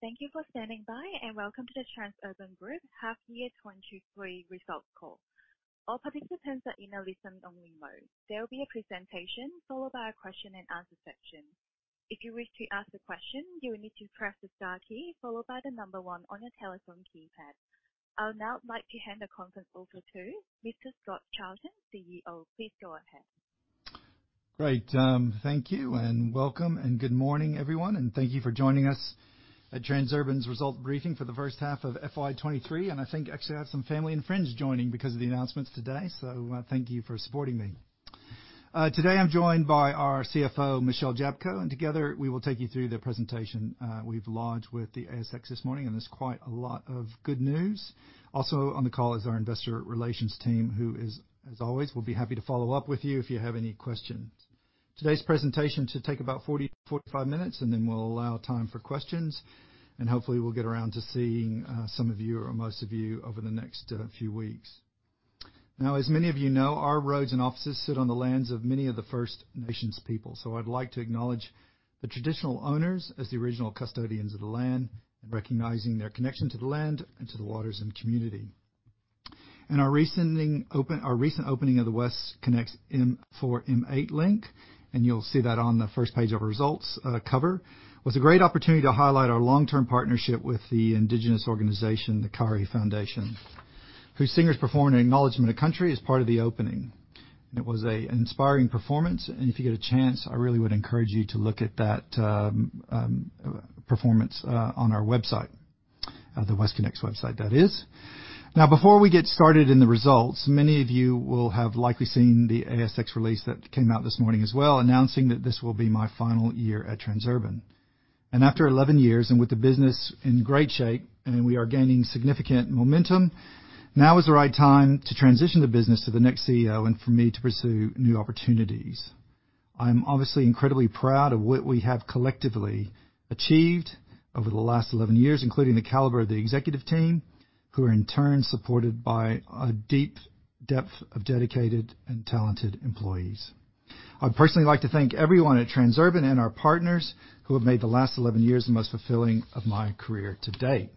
Thank you for standing by, and welcome to the Transurban Group Half Year 2023 Results Call. All participants are in a listen-only mode. There will be a presentation followed by a question-and-answer section. If you wish to ask a question, you will need to press the star key followed by the number one on your telephone keypad. I'll now like to hand the conference over to Mr. Scott Charlton, CEO. Please go ahead. Great. Thank you, and welcome, and good morning, everyone, and thank you for joining us at Transurban's Result Briefing for the H1 of FY 2023. I think actually I have some family and friends joining because of the announcements today. Thank you for supporting me. Today I'm joined by our CFO, Michelle Jablko, and together we will take you through the presentation we've lodged with the ASX this morning, and there's quite a lot of good news. Also on the call is our investor relations team, who as always, will be happy to follow up with you if you have any questions. Today's presentation should take about 40 to 45 minutes, and then we'll allow time for questions, and hopefully we'll get around to seeing some of you or most of you over the next few weeks. As many of you know, our roads and offices sit on the lands of many of the First Nations people. I'd like to acknowledge the traditional owners as the original custodians of the land and recognizing their connection to the land and to the waters and community. Our recent opening of the WestConnex M4-M8 Link, and you'll see that on the first page of the results cover, was a great opportunity to highlight our long-term partnership with the indigenous organization, the Kari Foundation, whose singers performed an acknowledgment of country as part of the opening. It was a inspiring performance, and if you get a chance, I really would encourage you to look at that performance on our website. The WestConnex website, that is. Before we get started in the results, many of you will have likely seen the ASX release that came out this morning as well, announcing that this will be my final year at Transurban. After 11 years, and with the business in great shape, and we are gaining significant momentum, now is the right time to transition the business to the next CEO and for me to pursue new opportunities. I'm obviously incredibly proud of what we have collectively achieved over the last 11 years, including the caliber of the executive team, who are in turn supported by a deep depth of dedicated and talented employees. I'd personally like to thank everyone at Transurban and our partners who have made the last 11 years the most fulfilling of my career to date.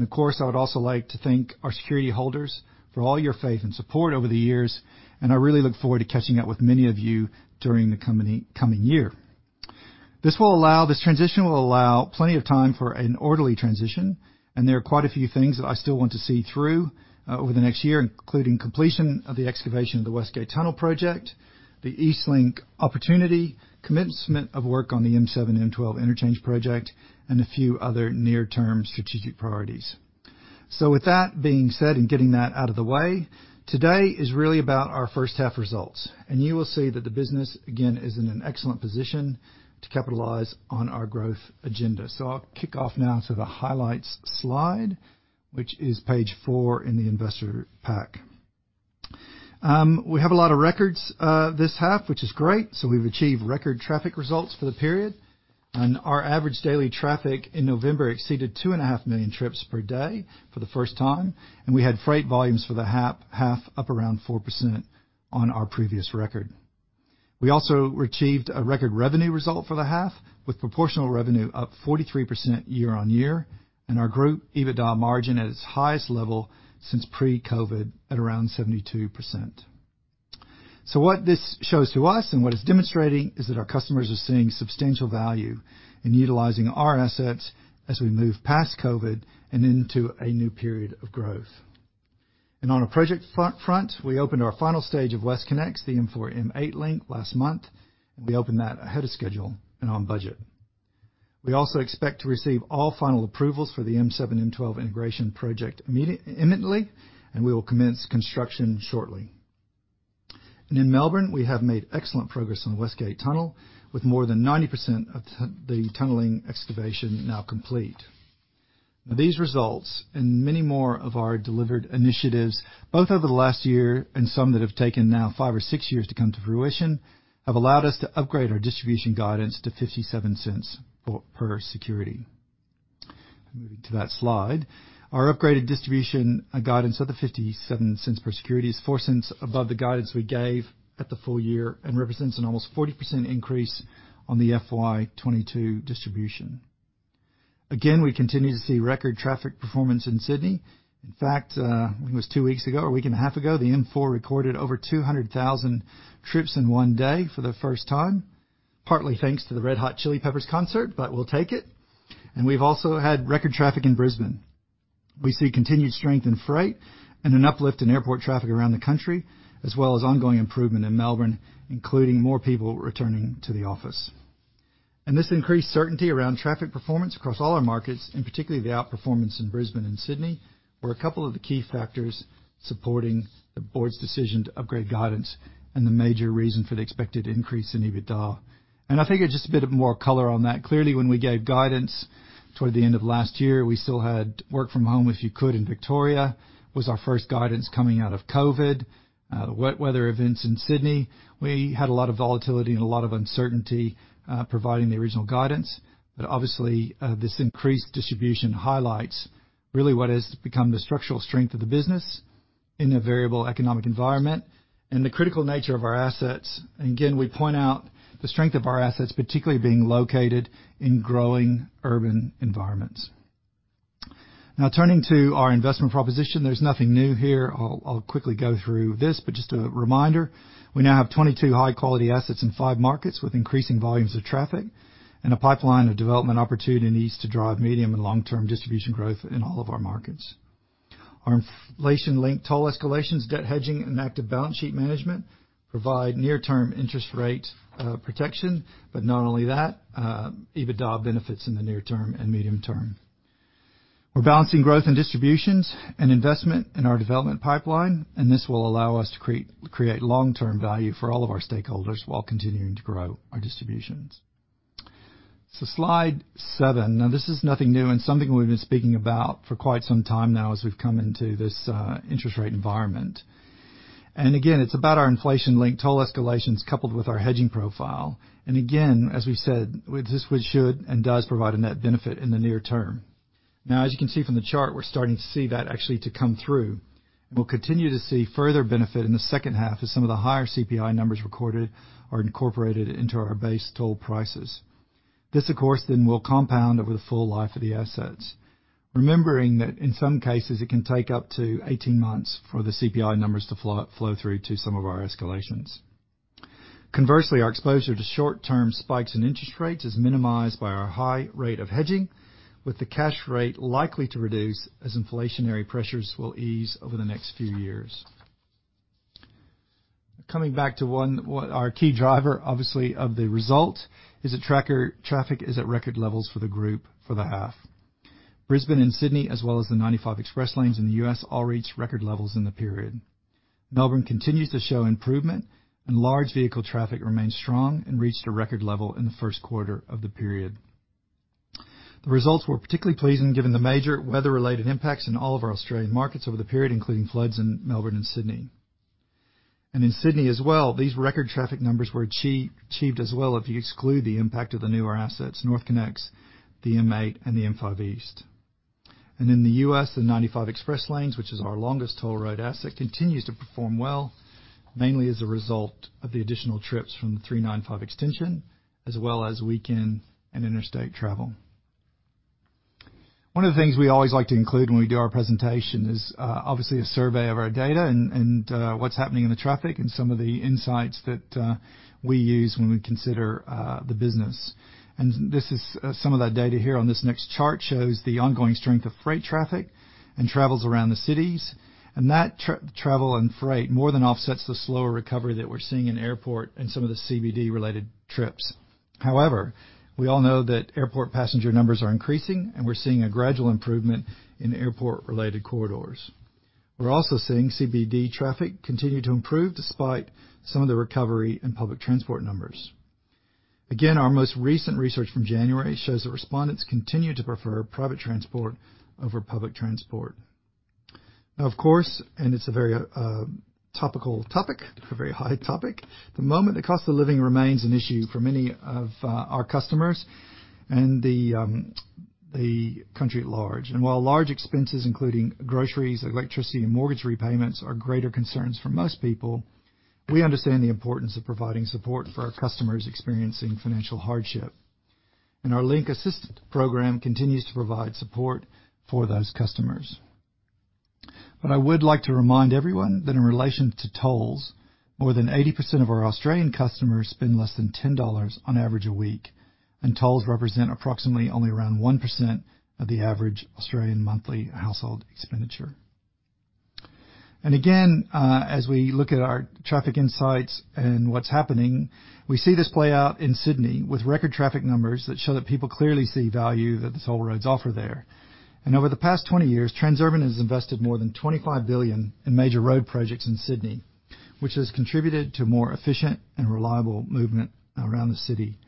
Of course, I would also like to thank our security holders for all your faith and support over the years, and I really look forward to catching up with many of you during the coming year. This transition will allow plenty of time for an orderly transition, and there are quite a few things that I still want to see through over the next year, including completion of the excavation of the West Gate Tunnel project, the EastLink opportunity, commencement of work on the M7-M12 Interchange project, and a few other near-term strategic priorities. With that being said and getting that out of the way, today is really about our H1 results. You will see that the business again is in an excellent position to capitalize on our growth agenda. I'll kick off now to the highlights slide, which is page four in the investor pack. We have a lot of records this half, which is great. We've achieved record traffic results for the period, and our average daily traffic in November exceeded 2.5 million trips per day for the first time, and we had freight volumes for the half up around 4% on our previous record. We also achieved a record revenue result for the half, with proportional revenue up 43% year-on-year, and our group EBITDA margin at its highest level since pre-COVID at around 72%. What this shows to us and what it's demonstrating is that our customers are seeing substantial value in utilizing our assets as we move past COVID and into a new period of growth. On a project front, we opened our final stage of WestConnex, the M4-M8 Link, last month, and we opened that ahead of schedule and on budget. We also expect to receive all final approvals for the M7-M12 integration project imminently, and we will commence construction shortly. In Melbourne, we have made excellent progress on the West Gate Tunnel, with more than 90% of the tunneling excavation now complete. These results and many more of our delivered initiatives, both over the last year and some that have taken now five or six years to come to fruition, have allowed us to upgrade our distribution guidance to 0.57 for per security. Moving to that slide. Our upgraded distribution guidance of 0.57 per security is 0.04 above the guidance we gave at the full year and represents an almost 40% increase on the FY 2022 distribution. Again, we continue to see record traffic performance in Sydney. In fact, it was two weeks ago or a week and a half ago, the M4 recorded over 200,000 trips in one day for the first time, partly thanks to the Red Hot Chili Peppers concert, we'll take it. We've also had record traffic in Brisbane. We see continued strength in freight and an uplift in airport traffic around the country, as well as ongoing improvement in Melbourne, including more people returning to the office. This increased certainty around traffic performance across all our markets, and particularly the outperformance in Brisbane and Sydney, were a couple of the key factors supporting the board's decision to upgrade guidance and the major reason for the expected increase in EBITDA. I figure just a bit of more color on that. Clearly, when we gave guidance toward the end of last year, we still had work from home, if you could, in Victoria. It was our first guidance coming out of COVID. The wet weather events in Sydney. We had a lot of volatility and a lot of uncertainty providing the original guidance. Obviously, this increased distribution highlights really what has become the structural strength of the business. In a variable economic environment and the critical nature of our assets. Again, we point out the strength of our assets, particularly being located in growing urban environments. Now turning to our investment proposition, there's nothing new here. I'll quickly go through this, but just a reminder, we now have 22 high-quality assets in five markets with increasing volumes of traffic and a pipeline of development opportunities to drive medium and long-term distribution growth in all of our markets. Our inflation-linked toll escalations, debt hedging, and active balance sheet management provide near-term interest rate protection. Not only that, EBITDA benefits in the near term and medium term. We're balancing growth and distributions and investment in our development pipeline, and this will allow us to create long-term value for all of our stakeholders while continuing to grow our distributions. Slide seven. This is nothing new and something we've been speaking about for quite some time now as we've come into this interest rate environment. It's about our inflation-linked toll escalations coupled with our hedging profile. As we said, with this we should and does provide a net benefit in the near term. As you can see from the chart, we're starting to see that actually to come through, and we'll continue to see further benefit in the H2 as some of the higher CPI numbers recorded are incorporated into our base toll prices. This, of course, then will compound over the full life of the assets. Remembering that in some cases it can take up to 18 months for the CPI numbers to flow through to some of our escalations. Our exposure to short-term spikes in interest rates is minimized by our high rate of hedging, with the cash rate likely to reduce as inflationary pressures will ease over the next few years. What our key driver, obviously, of the result is a tracker traffic is at record levels for the group for the half. Brisbane and Sydney, as well as the 95 Express Lanes in the U.S., all reached record levels in the period. Melbourne continues to show improvement, large vehicle traffic remains strong and reached a record level in the Q1 of the period. The results were particularly pleasing given the major weather-related impacts in all of our Australian markets over the period, including floods in Melbourne and Sydney. In Sydney as well, these record traffic numbers were achieved as well if you exclude the impact of the newer assets, NorthConnex, the M8, and the M5 East. In the U.S., the 95 Express Lanes, which is our longest toll road asset, continues to perform well, mainly as a result of the additional trips from the 395 extension, as well as weekend and interstate travel. One of the things we always like to include when we do our presentation is, obviously a survey of our data and, what's happening in the traffic and some of the insights that we use when we consider the business. This is some of that data here on this next chart shows the ongoing strength of freight traffic and travels around the cities. That travel and freight more than offsets the slower recovery that we're seeing in airport and some of the CBD-related trips. However, we all know that airport passenger numbers are increasing, and we're seeing a gradual improvement in airport-related corridors. We're also seeing CBD traffic continue to improve despite some of the recovery in public transport numbers. Again, our most recent research from January shows that respondents continue to prefer private transport over public transport. Now, of course, and it's a very, topical topic, a very hot topic. The moment the cost of living remains an issue for many of our customers and the country at large. While large expenses, including groceries, electricity, and mortgage repayments, are greater concerns for most people, we understand the importance of providing support for our customers experiencing financial hardship. Our Linkt Assist program continues to provide support for those customers. I would like to remind everyone that in relation to tolls, more than 80% of our Australian customers spend less than AUD 10 on average a week, and tolls represent approximately only around 1% of the average Australian monthly household expenditure. Again, as we look at our traffic insights and what's happening, we see this play out in Sydney with record traffic numbers that show that people clearly see value that the toll roads offer there. Over the past 20 years, Transurban has invested more than 25 billion in major road projects in Sydney, which has contributed to more efficient and reliable movement around the city.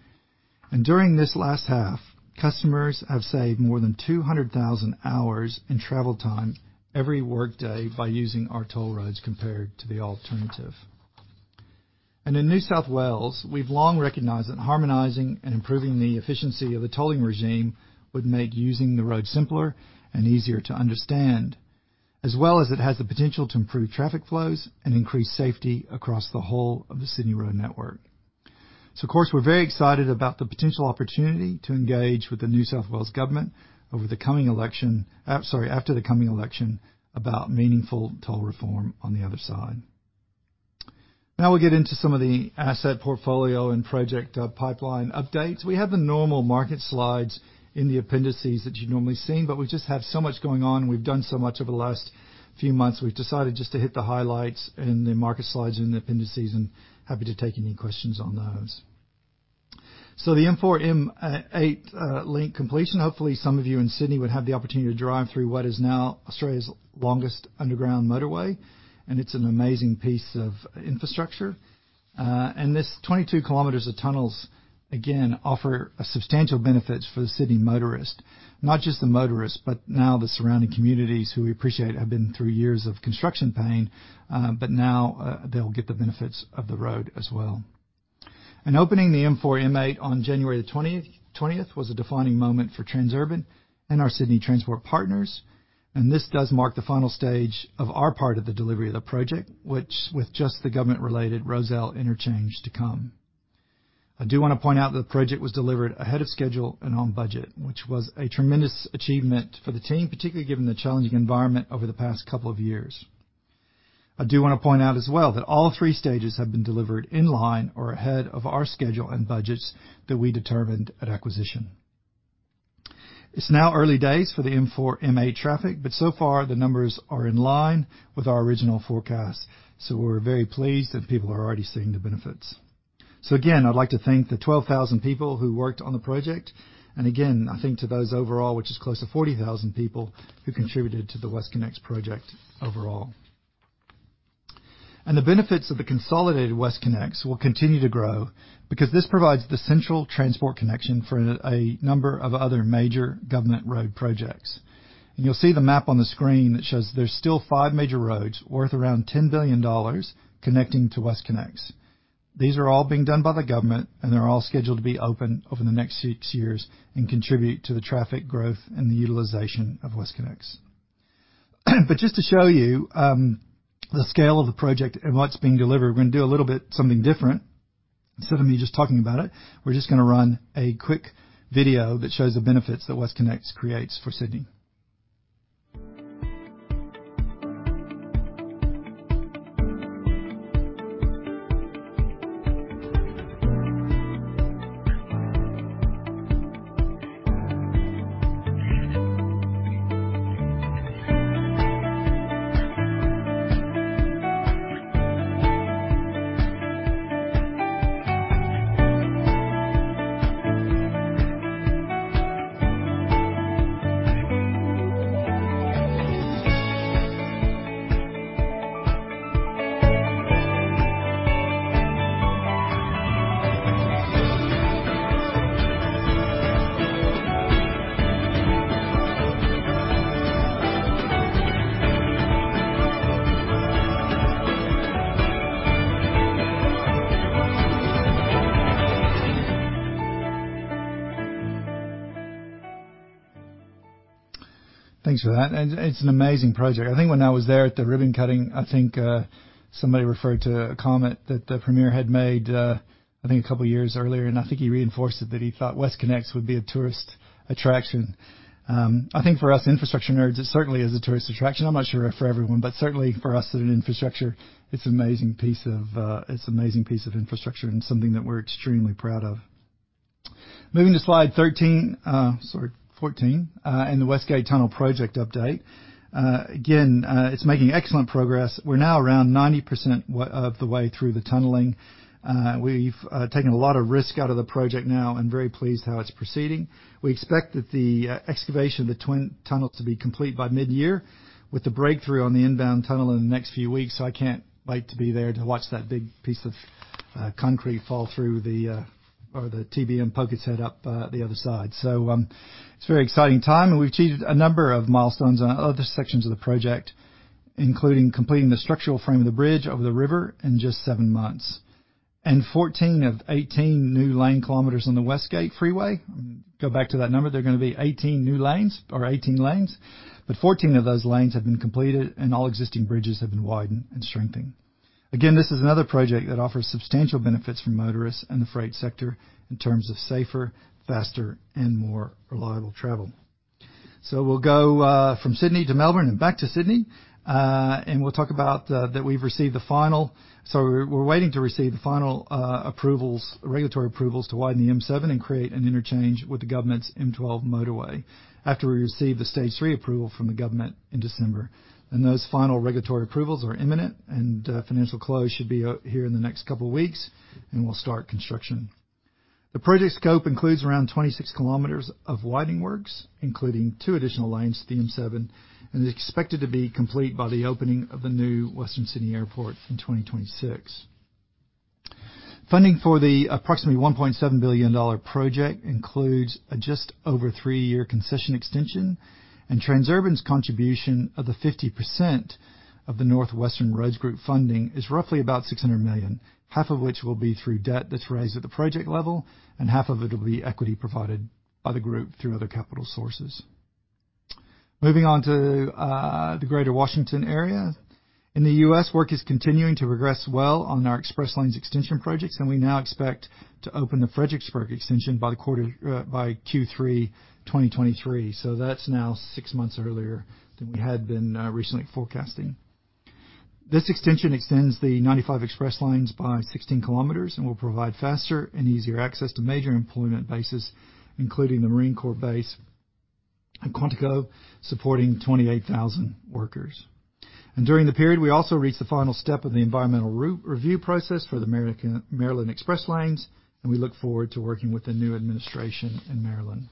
During this last half, customers have saved more than 200,000 hours in travel time every workday by using our toll roads compared to the alternative. In New South Wales, we've long recognized that harmonizing and improving the efficiency of the tolling regime would make using the road simpler and easier to understand, as well as it has the potential to improve traffic flows and increase safety across the whole of the Sydney road network. Of course, we're very excited about the potential opportunity to engage with the New South Wales Government over the coming election, sorry, after the coming election, about meaningful toll reform on the other side. Now we'll get into some of the asset portfolio and project pipeline updates. We have the normal market slides in the appendices that you've normally seen, but we just have so much going on, and we've done so much over the last few months. We've decided just to hit the highlights in the market slides and appendices, and happy to take any questions on those. The M4-M8 Link completion. Hopefully, some of you in Sydney would have the opportunity to drive through what is now Australia's longest underground motorway. It's an amazing piece of infrastructure. This 22 kilometers of tunnels, again offer a substantial benefits for the Sydney motorist. Not just the motorist, but now the surrounding communities who we appreciate have been through years of construction pain, but now, they'll get the benefits of the road as well. Opening the M4 M8 on January 20th was a defining moment for Transurban and our Sydney Transport Partners. This does mark the final stage of our part of the delivery of the project, which with just the government related Rozelle Interchange to come. I do wanna point out the project was delivered ahead of schedule and on budget, which was a tremendous achievement for the team, particularly given the challenging environment over the past couple of years. I do wanna point out as well that all three stages have been delivered in line or ahead of our schedule and budgets that we determined at acquisition. It's now early days for the M4/M8 traffic, but so far the numbers are in line with our original forecast. We're very pleased that people are already seeing the benefits. Again, I'd like to thank the 12,000 people who worked on the project, and again, I think to those overall, which is close to 40,000 people who contributed to the WestConnex project overall. The benefits of the consolidated WestConnex will continue to grow because this provides the central transport connection for a number of other major government road projects. You'll see the map on the screen that shows there's still five major roads worth around 10 billion dollars connecting to WestConnex. These are all being done by the government, and they're all scheduled to be open over the next six years and contribute to the traffic growth and the utilization of WestConnex. Just to show you, the scale of the project and what's being delivered, we're gonna do a little bit something different. Instead of me just talking about it, we're just gonna run a quick video that shows the benefits that WestConnex creates for Sydney. Thanks for that. It's an amazing project. I think when I was there at the ribbon-cutting, I think somebody referred to a comment that the Premier had made, I think a couple of years earlier, and I think he reinforced it that he thought WestConnex would be a tourist attraction. I think for us infrastructure nerds, it certainly is a tourist attraction. I'm not sure for everyone, but certainly for us in infrastructure, it's amazing piece of infrastructure and something that we're extremely proud of. Moving to slide 13, sorry, 14, and the West Gate Tunnel project update. Again, it's making excellent progress. We're now around 90% of the way through the tunneling. We've taken a lot of risk out of the project now and very pleased how it's proceeding. We expect that the excavation of the twin tunnel to be complete by mid-year, with the breakthrough on the inbound tunnel in the next few weeks. I can't wait to be there to watch that big piece of concrete fall through the, or the TBM poke its head up the other side. It's a very exciting time, and we've achieved a number of milestones on other sections of the project, including completing the structural frame of the bridge over the river in just 7 months. 14 of 18 new lane kilometers on the West Gate Freeway. Go back to that number. They're going to be 18 new lanes or 18 lanes, but 14 of those lanes have been completed and all existing bridges have been widened and strengthened. Again, this is another project that offers substantial benefits for motorists and the freight sector in terms of safer, faster, and more reliable travel. We'll go from Sydney to Melbourne and back to Sydney. We'll talk about we're waiting to receive the final approvals, regulatory approvals to widen the M7 and create an interchange with the government's M12 Motorway after we receive the stage three approval from the government in December. Those final regulatory approvals are imminent and financial close should be out here in the next couple of weeks, and we'll start construction. The project scope includes around 26 kilometers of widening works, including two additional lanes to the M7, and is expected to be complete by the opening of the new Western Sydney Airport in 2026. Funding for the approximately 1.7 billion dollar project includes a just over three-year concession extension and Transurban's contribution of the 50% of the North Western Roads Group funding is roughly about 600 million, half of which will be through debt that's raised at the project level and half of it will be equity provided by the group through other capital sources. Moving on to the Greater Washington area. In the U.S., work is continuing to progress well on our Express Lanes extension projects, and we now expect to open the Fredericksburg extension by the quarter, by Q3 2023. That's now six months earlier than we had been recently forecasting. This extension extends the 95 Express Lanes by 16 kilometers and will provide faster and easier access to major employment bases, including the Marine Corps Base at Quantico, supporting 28,000 workers. During the period, we also reached the final step of the environmental review process for the Maryland Express Lanes Project, and we look forward to working with the new administration in Maryland.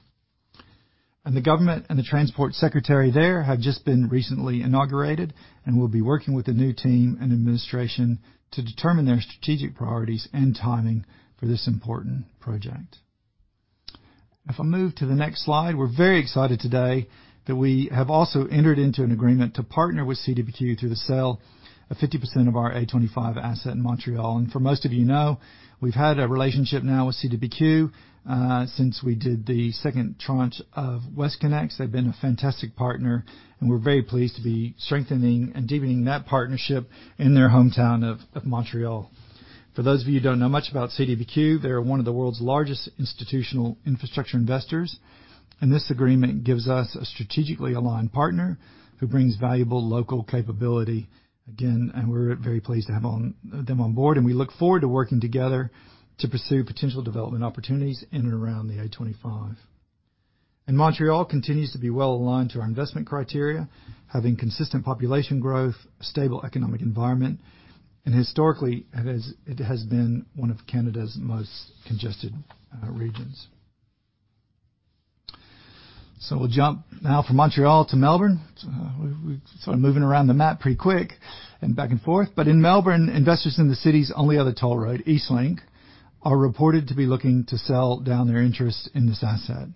The government and the transport secretary there have just been recently inaugurated and will be working with the new team and administration to determine their strategic priorities and timing for this important project. If I move to the next slide, we're very excited today that we have also entered into an agreement to partner with CDPQ through the sale of 50% of our A25 asset in Montreal. For most of you know, we've had a relationship now with CDPQ since we did the second tranche of WestConnex. They've been a fantastic partner, and we're very pleased to be strengthening and deepening that partnership in their hometown of Montreal. For those of you who don't know much about CDPQ, they are one of the world's largest institutional infrastructure investors, and this agreement gives us a strategically aligned partner who brings valuable local capability again, and we're very pleased to have them on board, and we look forward to working together to pursue potential development opportunities in and around the A25. Montreal continues to be well-aligned to our investment criteria, having consistent population growth, stable economic environment, and historically, it has been one of Canada's most congested regions. We'll jump now from Montreal to Melbourne. we sort of moving around the map pretty quick and back and forth. In Melbourne, investors in the city's only other toll road, EastLink, are reported to be looking to sell down their interest in this asset.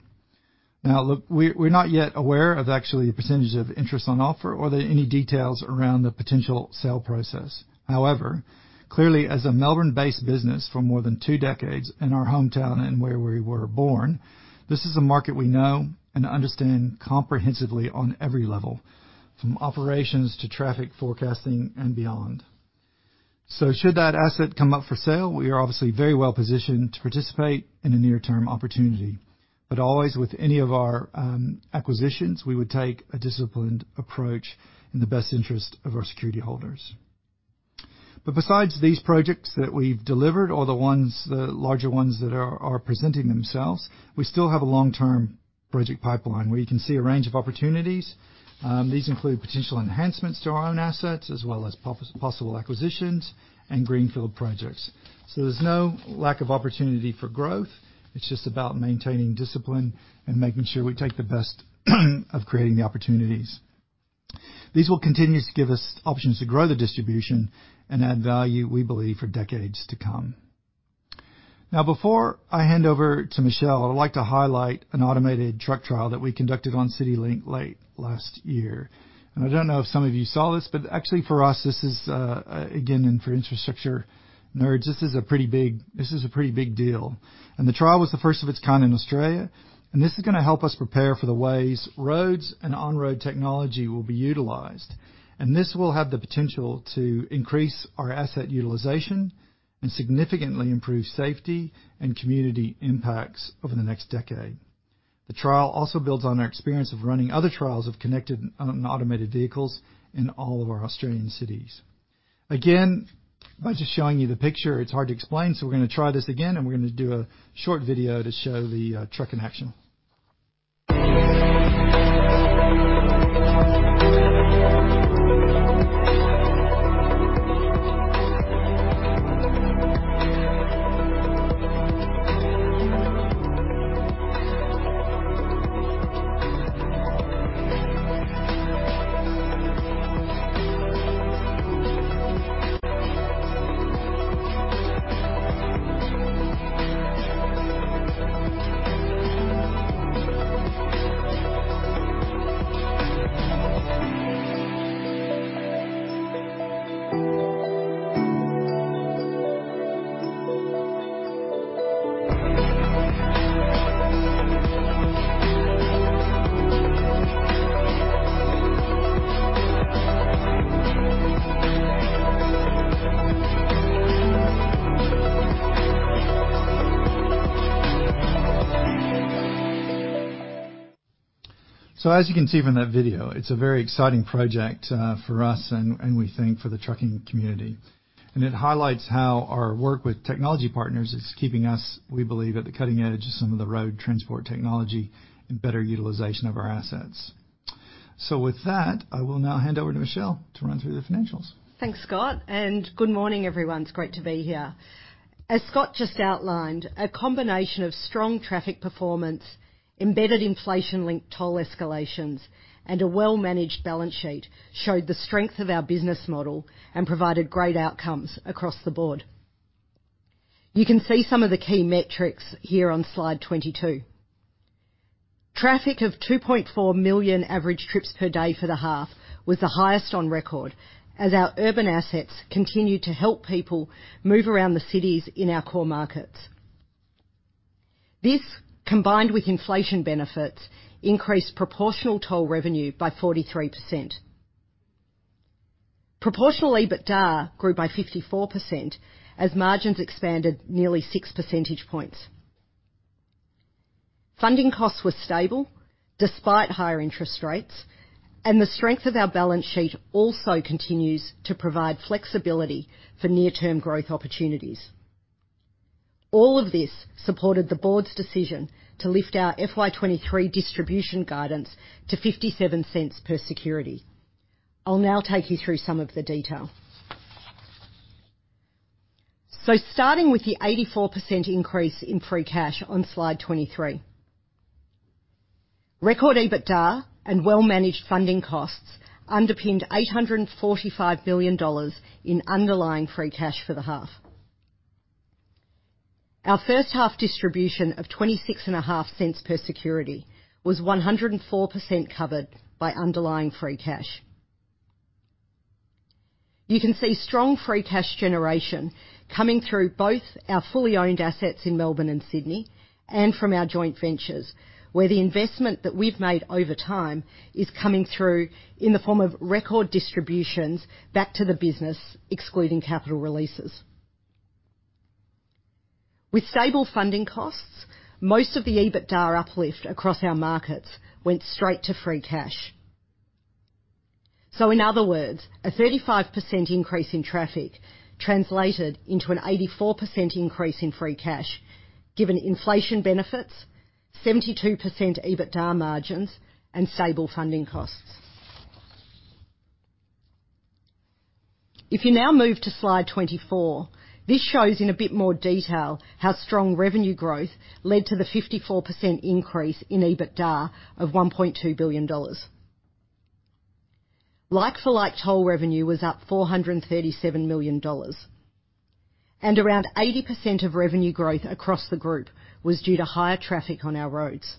Look, we're not yet aware of actually the percentage of interest on offer or any details around the potential sale process. However, clearly, as a Melbourne-based business for more than two decades in our hometown and where we were born, this is a market we know and understand comprehensively on every level, from operations to traffic forecasting and beyond. Should that asset come up for sale, we are obviously very well-positioned to participate in a near-term opportunity. Always with any of our acquisitions, we would take a disciplined approach in the best interest of our security holders. Besides these projects that we've delivered or the ones, the larger ones that are presenting themselves, we still have a long-term project pipeline where you can see a range of opportunities. These include potential enhancements to our own assets as well as possible acquisitions and greenfield projects. There's no lack of opportunity for growth. It's just about maintaining discipline and making sure we take the best of creating the opportunities. These will continue to give us options to grow the distribution and add value, we believe, for decades to come. Before I hand over to Michelle, I'd like to highlight an automated truck trial that we conducted on CityLink late last year. I don't know if some of you saw this, but actually for us, this is again, and for infrastructure nerds, this is a pretty big deal. The trial was the first of its kind in Australia. This is gonna help us prepare for the ways roads and on-road technology will be utilized. This will have the potential to increase our asset utilization and significantly improve safety and community impacts over the next decade. The trial also builds on our experience of running other trials of connected and automated vehicles in all of our Australian cities. By just showing you the picture it's hard to explain. We're gonna try this again. We're gonna do a short video to show the truck in action. As you can see from that video, it's a very exciting project for us and we think for the trucking community. It highlights how our work with technology partners is keeping us, we believe, at the cutting edge of some of the road transport technology and better utilization of our assets. With that, I will now hand over to Michelle to run through the financials. Thanks, Scott, and good morning, everyone. It's great to be here. As Scott just outlined, a combination of strong traffic performance, embedded inflation-linked toll escalations, and a well-managed balance sheet showed the strength of our business model and provided great outcomes across the board. You can see some of the key metrics here on slide 22. Traffic of 2.4 million average trips per day for the half was the highest on record as our urban assets continued to help people move around the cities in our core markets. This, combined with inflation benefits, increased proportional toll revenue by 43%. Proportional EBITDA grew by 54% as margins expanded nearly six percentage points. Funding costs were stable despite higher interest rates, and the strength of our balance sheet also continues to provide flexibility for near-term growth opportunities. All of this supported the board's decision to lift our FY 2023 distribution guidance to 0.57 per security. I'll now take you through some of the detail. Starting with the 84% increase in free cash on slide 23. Record EBITDA and well-managed funding costs underpinned 845 million dollars in underlying free cash for the half. Our first-half distribution of 0.265 per security was 104% covered by underlying free cash. You can see strong free cash generation coming through both our fully owned assets in Melbourne and Sydney and from our joint ventures, where the investment that we've made over time is coming through in the form of record distributions back to the business, excluding capital releases. With stable funding costs, most of the EBITDA uplift across our markets went straight to free cash. In other words, a 35% increase in traffic translated into an 84% increase in free cash, given inflation benefits, 72% EBITDA margins, and stable funding costs. If you now move to slide 24, this shows in a bit more detail how strong revenue growth led to the 54% increase in EBITDA of 1.2 billion dollars. Like for like toll revenue was up 437 million dollars. Around 80% of revenue growth across the group was due to higher traffic on our roads.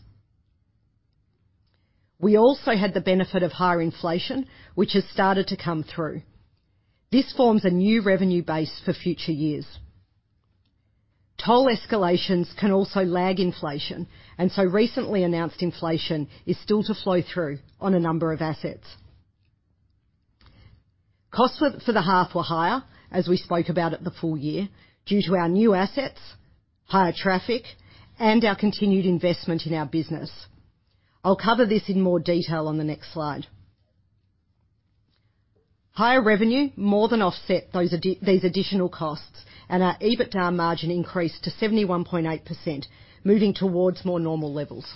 We also had the benefit of higher inflation, which has started to come through. This forms a new revenue base for future years. Toll escalations can also lag inflation, and so recently announced inflation is still to flow through on a number of assets. Costs for the half were higher as we spoke about at the full year, due to our new assets, higher traffic, and our continued investment in our business. I'll cover this in more detail on the next slide. Higher revenue more than offset these additional costs, and our EBITDA margin increased to 71.8%, moving towards more normal levels.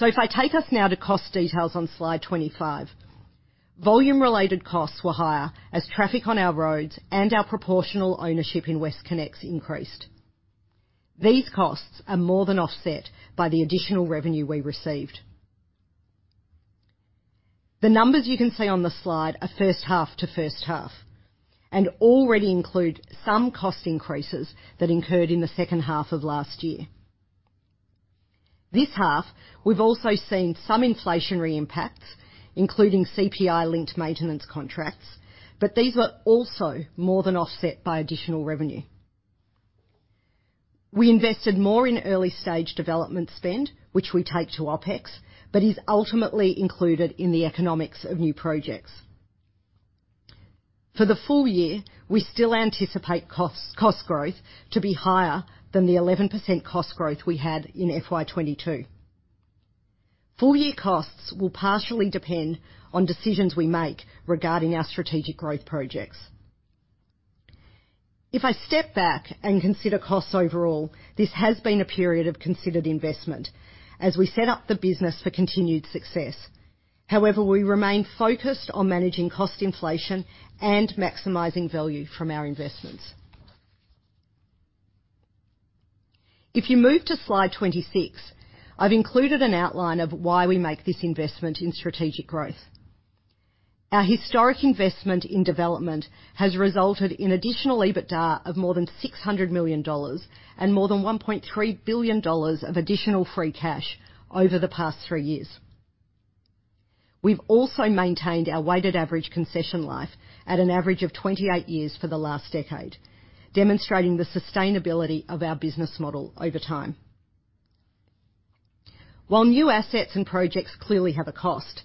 If I take us now to cost details on slide 25. Volume-related costs were higher as traffic on our roads and our proportional ownership in WestConnex increased. These costs are more than offset by the additional revenue we received. The numbers you can see on the slide are H1 to H1 and already include some cost increases that incurred in the H2 of last year. This half, we've also seen some inflationary impacts, including CPI-linked maintenance contracts, but these were also more than offset by additional revenue. We invested more in early-stage development spend, which we take to OpEx, but is ultimately included in the economics of new projects. For the full year, we still anticipate costs, cost growth to be higher than the 11% cost growth we had in FY 2022. Full-year costs will partially depend on decisions we make regarding our strategic growth projects. If I step back and consider costs overall, this has been a period of considered investment as we set up the business for continued success. However, we remain focused on managing cost inflation and maximizing value from our investments. If you move to slide 26, I've included an outline of why we make this investment in strategic growth. Our historic investment in development has resulted in additional EBITDA of more than 600 million dollars and more than 1.3 billion dollars of additional free cash over the past 3 years. We've also maintained our weighted average concession life at an average of 28 years for the last decade, demonstrating the sustainability of our business model over time. While new assets and projects clearly have a cost,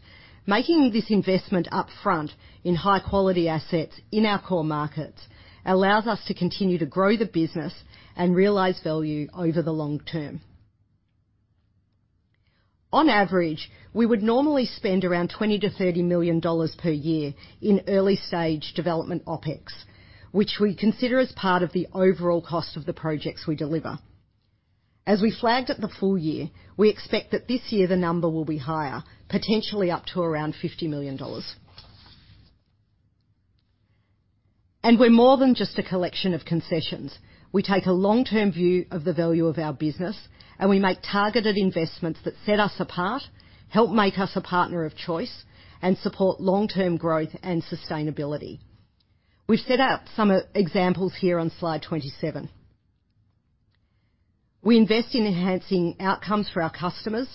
making this investment up front in high-quality assets in our core markets allows us to continue to grow the business and realize value over the long term. On average, we would normally spend around 20 million-30 million dollars per year in early-stage development OpEx, which we consider as part of the overall cost of the projects we deliver. As we flagged at the full year, we expect that this year the number will be higher, potentially up to around 50 million dollars. We're more than just a collection of concessions. We take a long-term view of the value of our business, and we make targeted investments that set us apart, help make us a partner of choice, and support long-term growth and sustainability. We've set out some examples here on slide 27. We invest in enhancing outcomes for our customers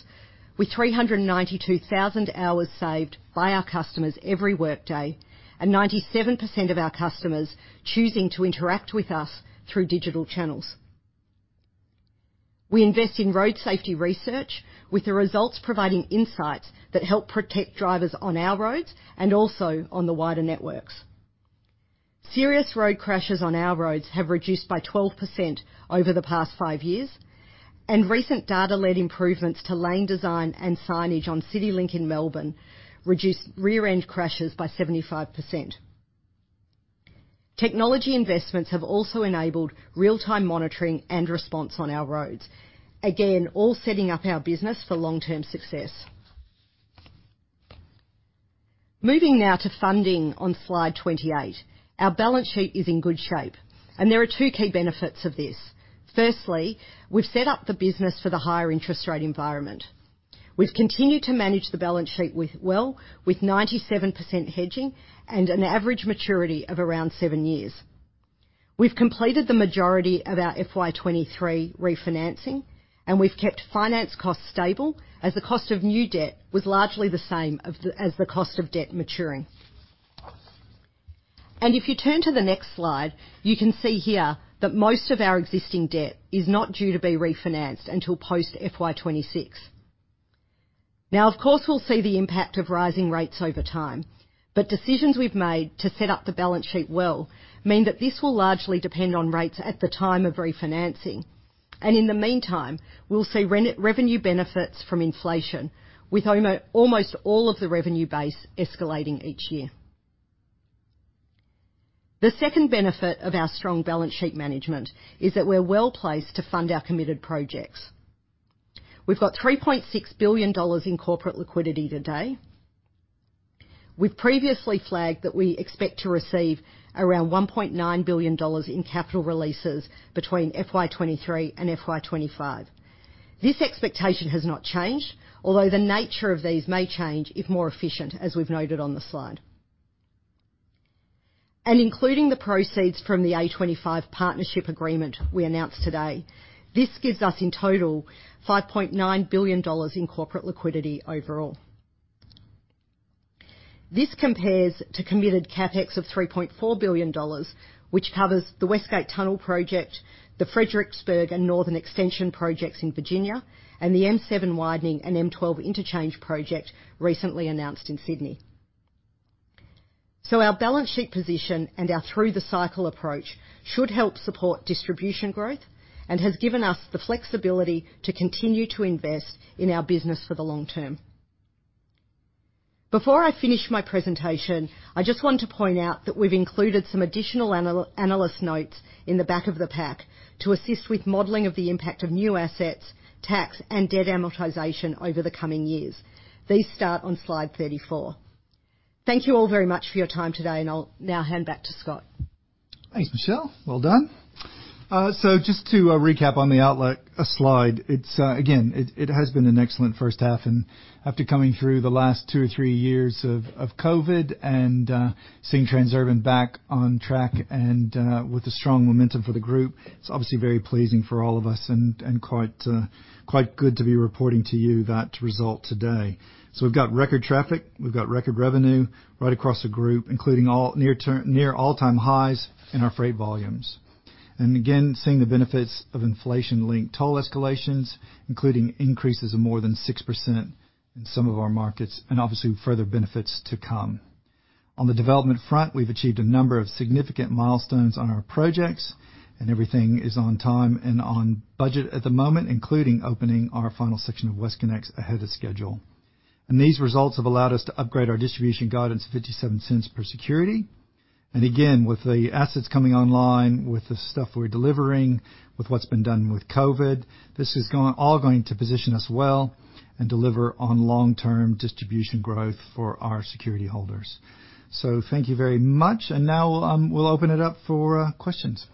with 392,000 hours saved by our customers every workday and 97% of our customers choosing to interact with us through digital channels. We invest in road safety research with the results providing insights that help protect drivers on our roads and also on the wider networks. Serious road crashes on our roads have reduced by 12% over the past five years. Recent data-led improvements to lane design and signage on CityLink in Melbourne reduced rear-end crashes by 75%. Technology investments have also enabled real-time monitoring and response on our roads. Again, all setting up our business for long-term success. Moving now to funding on slide 28. Our balance sheet is in good shape. There are two key benefits of this. Firstly, we've set up the business for the higher interest rate environment. We've continued to manage the balance sheet with 97% hedging and an average maturity of around seven years. We've completed the majority of our FY 2023 refinancing. We've kept finance costs stable as the cost of new debt was largely the same as the cost of debt maturing. If you turn to the next slide, you can see here that most of our existing debt is not due to be refinanced until post FY 2026. Of course, we'll see the impact of rising rates over time, but decisions we've made to set up the balance sheet well mean that this will largely depend on rates at the time of refinancing. In the meantime, we'll see revenue benefits from inflation with almost all of the revenue base escalating each year. The second benefit of our strong balance sheet management is that we're well-placed to fund our committed projects. We've got 3.6 billion dollars in corporate liquidity today. We've previously flagged that we expect to receive around 1.9 billion dollars in capital releases between FY 2023 and FY 2025. This expectation has not changed, although the nature of these may change if more efficient, as we've noted on the slide. Including the proceeds from the A25 partnership agreement we announced today, this gives us, in total, 5.9 billion dollars in corporate liquidity overall. This compares to committed CapEx of 3.4 billion dollars, which covers the West Gate Tunnel project, the Fredericksburg Extension and Northern Extension projects in Virginia, and the M7 widening and M12 Interchange project recently announced in Sydney. Our balance sheet position and our through the cycle approach should help support distribution growth and has given us the flexibility to continue to invest in our business for the long term. Before I finish my presentation, I just want to point out that we've included some additional analyst notes in the back of the pack to assist with modeling of the impact of new assets, tax, and debt amortization over the coming years. These start on slide 34. Thank you all very much for your time today, and I'll now hand back to Scott. Thanks, Michelle. Well done. Just to recap on the outlook slide. It's again, it has been an excellent H1 and after coming through the last two or three years of COVID and seeing Transurban back on track and with the strong momentum for the group, it's obviously very pleasing for all of us and quite good to be reporting to you that result today. We've got record traffic, we've got record revenue right across the group, including all near all-time highs in our freight volumes. Again, seeing the benefits of inflation-linked toll escalations, including increases of more than 6% in some of our markets, and obviously further benefits to come. On the development front, we've achieved a number of significant milestones on our projects, and everything is on time and on budget at the moment, including opening our final section of WestConnex ahead of schedule. These results have allowed us to upgrade our distribution guidance to 0.57 per security. Again, with the assets coming online, with the stuff we're delivering, with what's been done with COVID, this is all going to position us well and deliver on long-term distribution growth for our security holders. Thank you very much. Now, we'll open it up for questions.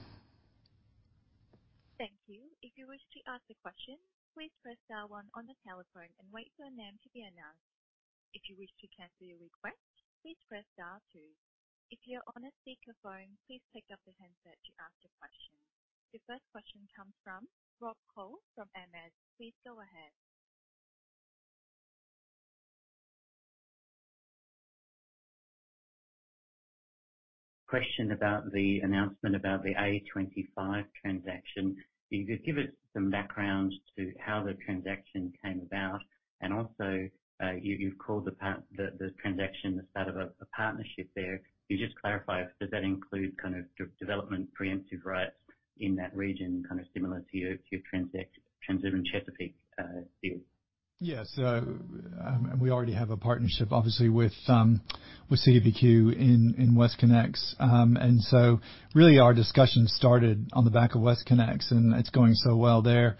Thank you. If you wish to ask a question, please press star one on the telephone and wait for your name to be announced. If you wish to cancel your request, please press star two. If you're on a speakerphone, please pick up the handset to ask your question. The first question comes from Rob Koh from Morgan Stanley. Please go ahead. Question about the announcement about the A25 transaction. If you could give us some background to how the transaction came about. Also, you've called the transaction, the start of a partnership there. Can you just clarify, does that include kind of de-development preemptive rights in that region, kind of similar to your Transurban Chesapeake deal? Yes. We already have a partnership, obviously, with CDPQ in WestConnex. Really our discussion started on the back of WestConnex, and it's going so well there,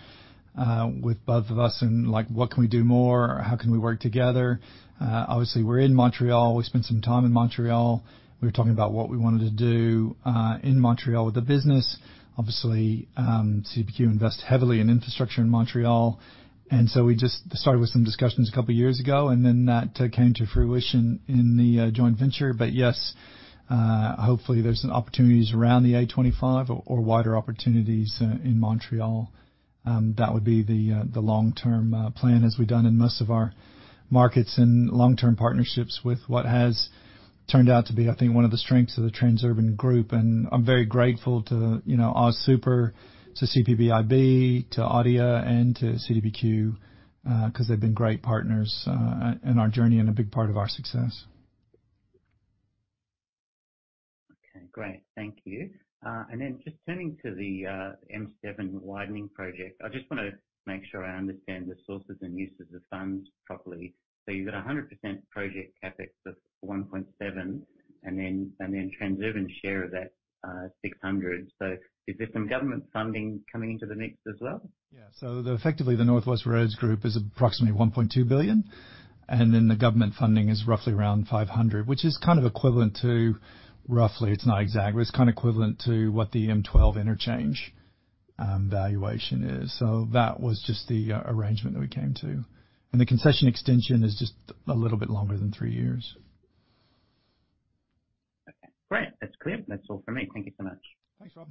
with both of us and, like, what can we do more? How can we work together? Obviously, we're in Montreal. We spent some time in Montreal. We were talking about what we wanted to do in Montreal with the business. Obviously, CDPQ invest heavily in infrastructure in Montreal. We just started with some discussions two years ago, and then that came to fruition in the joint venture. Yes, hopefully there's some opportunities around the A25 or wider opportunities in Montreal. That would be the long-term, plan, as we've done in most of our markets and long-term partnerships with what has turned out to be, I think, one of the strengths of the Transurban Group. I'm very grateful to, you know, AustralianSuper, to CPPIB, to Tawreed Investments and to CDPQ, 'cause they've been great partners, in our journey and a big part of our success. Great. Thank you. Just turning to the M7 widening project. I just wanna make sure I understand the sources and uses of funds properly. You've got 100% project CapEx of 1.7 billion, and then Transurban's share of that, 600 million. Is there some government funding coming into the mix as well? Effectively, the North Western Roads Group is approximately 1.2 billion, and then the government funding is roughly around 500 million, which is kind of equivalent to roughly, it's not exact, but it's kind of equivalent to what the M12 interchange valuation is. That was just the arrangement that we came to. The concession extension is just a little bit longer than three years. Okay, great. That's clear. That's all for me. Thank you so much. Thanks, Rob.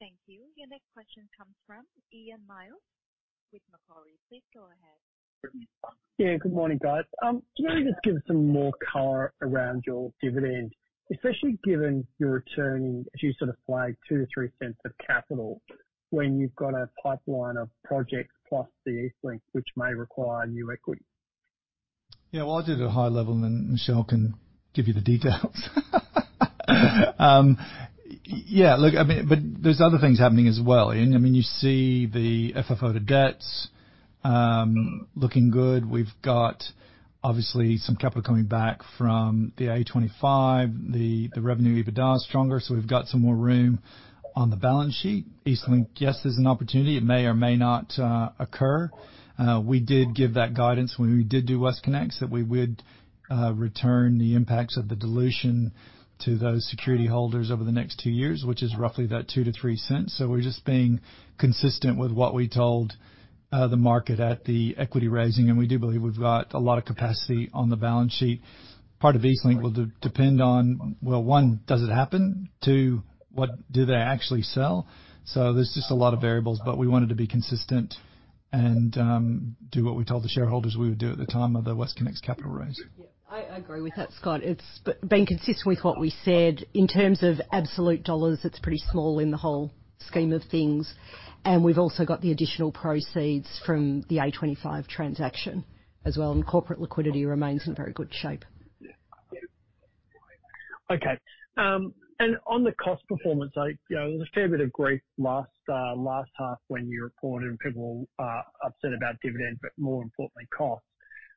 Thank you. Your next question comes from Ian Myles with Macquarie. Please go ahead. Yeah, good morning, guys. Can you just give some more color around your dividend, especially given you're returning, as you sort of flag 0.02-0.03 of capital when you've got a pipeline of projects plus the EastLink, which may require new equity? Well, I'll do the high level, and Michelle can give you the details. I mean, there's other things happening as well. I mean, you see the FFO to debt looking good. We've got obviously some capital coming back from the A25, the revenue EBITDA is stronger, we've got some more room on the balance sheet. EastLink, yes, there's an opportunity. It may or may not occur. We did give that guidance when we did do WestConnex, that we would return the impacts of the dilution to those security holders over the next 2 years, which is roughly about 0.02-0.03. We're just being consistent with what we told the market at the equity raising, we do believe we've got a lot of capacity on the balance sheet. Part of EastLink will depend on, well, one, does it happen? two, what do they actually sell? There's just a lot of variables. We wanted to be consistent and do what we told the shareholders we would do at the time of the WestConnex capital raise. I agree with that, Scott. It's being consistent with what we said. In terms of absolute dollars, it's pretty small in the whole scheme of things, and we've also got the additional proceeds from the A25 transaction as well, and corporate liquidity remains in very good shape. Yeah. Okay. On the cost performance, I, you know, there was a fair bit of grief last last half when you reported and people were upset about dividends, but more importantly costs.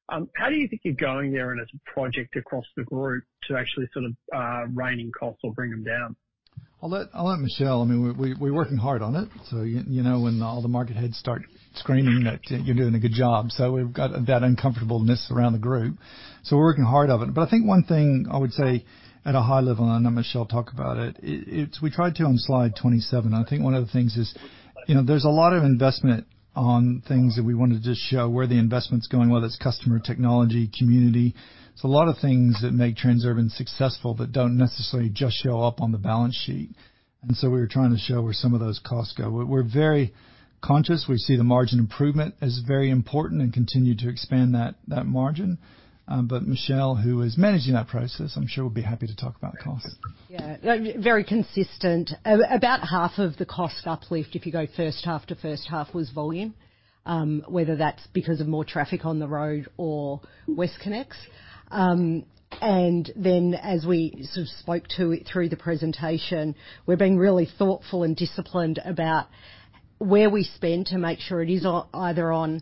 How do you think you're going there in a project across the group to actually sort of, rein in costs or bring them down? I'll let Michelle. I mean, we're working hard on it, you know, when all the market heads start screaming that you're doing a good job, we've got that uncomfortableness around the group, we're working hard on it. I think one thing I would say at a high level, and Michelle will talk about it's we tried to on slide 27. I think one of the things is, you know, there's a lot of investment on things that we wanted to show where the investment's going, whether it's customer, technology, community. There's a lot of things that make Transurban successful but don't necessarily just show up on the balance sheet. We were trying to show where some of those costs go. We're very conscious. We see the margin improvement as very important and continue to expand that margin. Michelle, who is managing that process, I'm sure will be happy to talk about costs. Yeah. Very consistent. About half of the cost uplift, if you go H1 to H1, was volume. Whether that's because of more traffic on the road or WestConnex. Then as we sort of spoke to through the presentation, we're being really thoughtful and disciplined about where we spend to make sure it is on either on,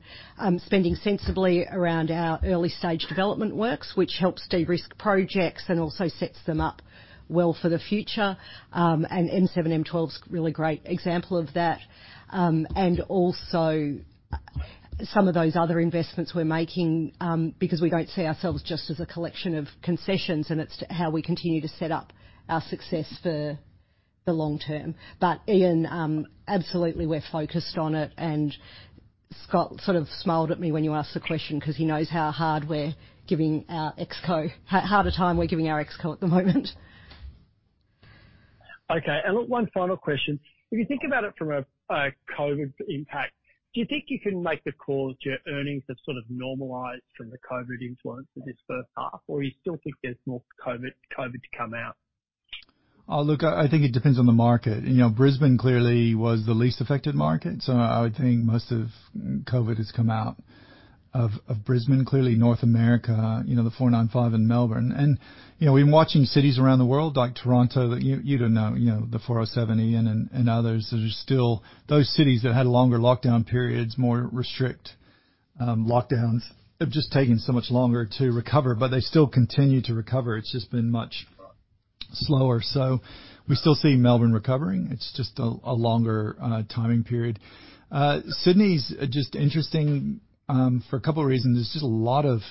spending sensibly around our early stage development works, which helps de-risk projects and also sets them up well for the future. M7, M12's a really great example of that. Also some of those other investments we're making, because we don't see ourselves just as a collection of concessions and it's how we continue to set up our success for the long term. Ian, absolutely, we're focused on it, and Scott sort of smiled at me when you asked the question 'cause he knows how hard we're giving our ExCo, how hard a time we're giving our ExCo at the moment. Okay. Look, one final question. If you think about it from a Covid impact, do you think you can make the call that your earnings have sort of normalized from the Covid influence of this H1, or you still think there's more Covid to come out? Oh, look, I think it depends on the market. You know, Brisbane clearly was the least affected market. I would think most of Covid has come out of Brisbane. Clearly North America, you know, the 495 in Melbourne. You know, we've been watching cities around the world like Toronto, you'd have known, you know, the 407, Ian, and others. There's still those cities that had longer lockdown periods, more restrict lockdowns have just taken so much longer to recover, they still continue to recover. It's just been much slower. We still see Melbourne recovering. It's just a longer timing period. Sydney's just interesting for a couple of reasons. There's just a lot of,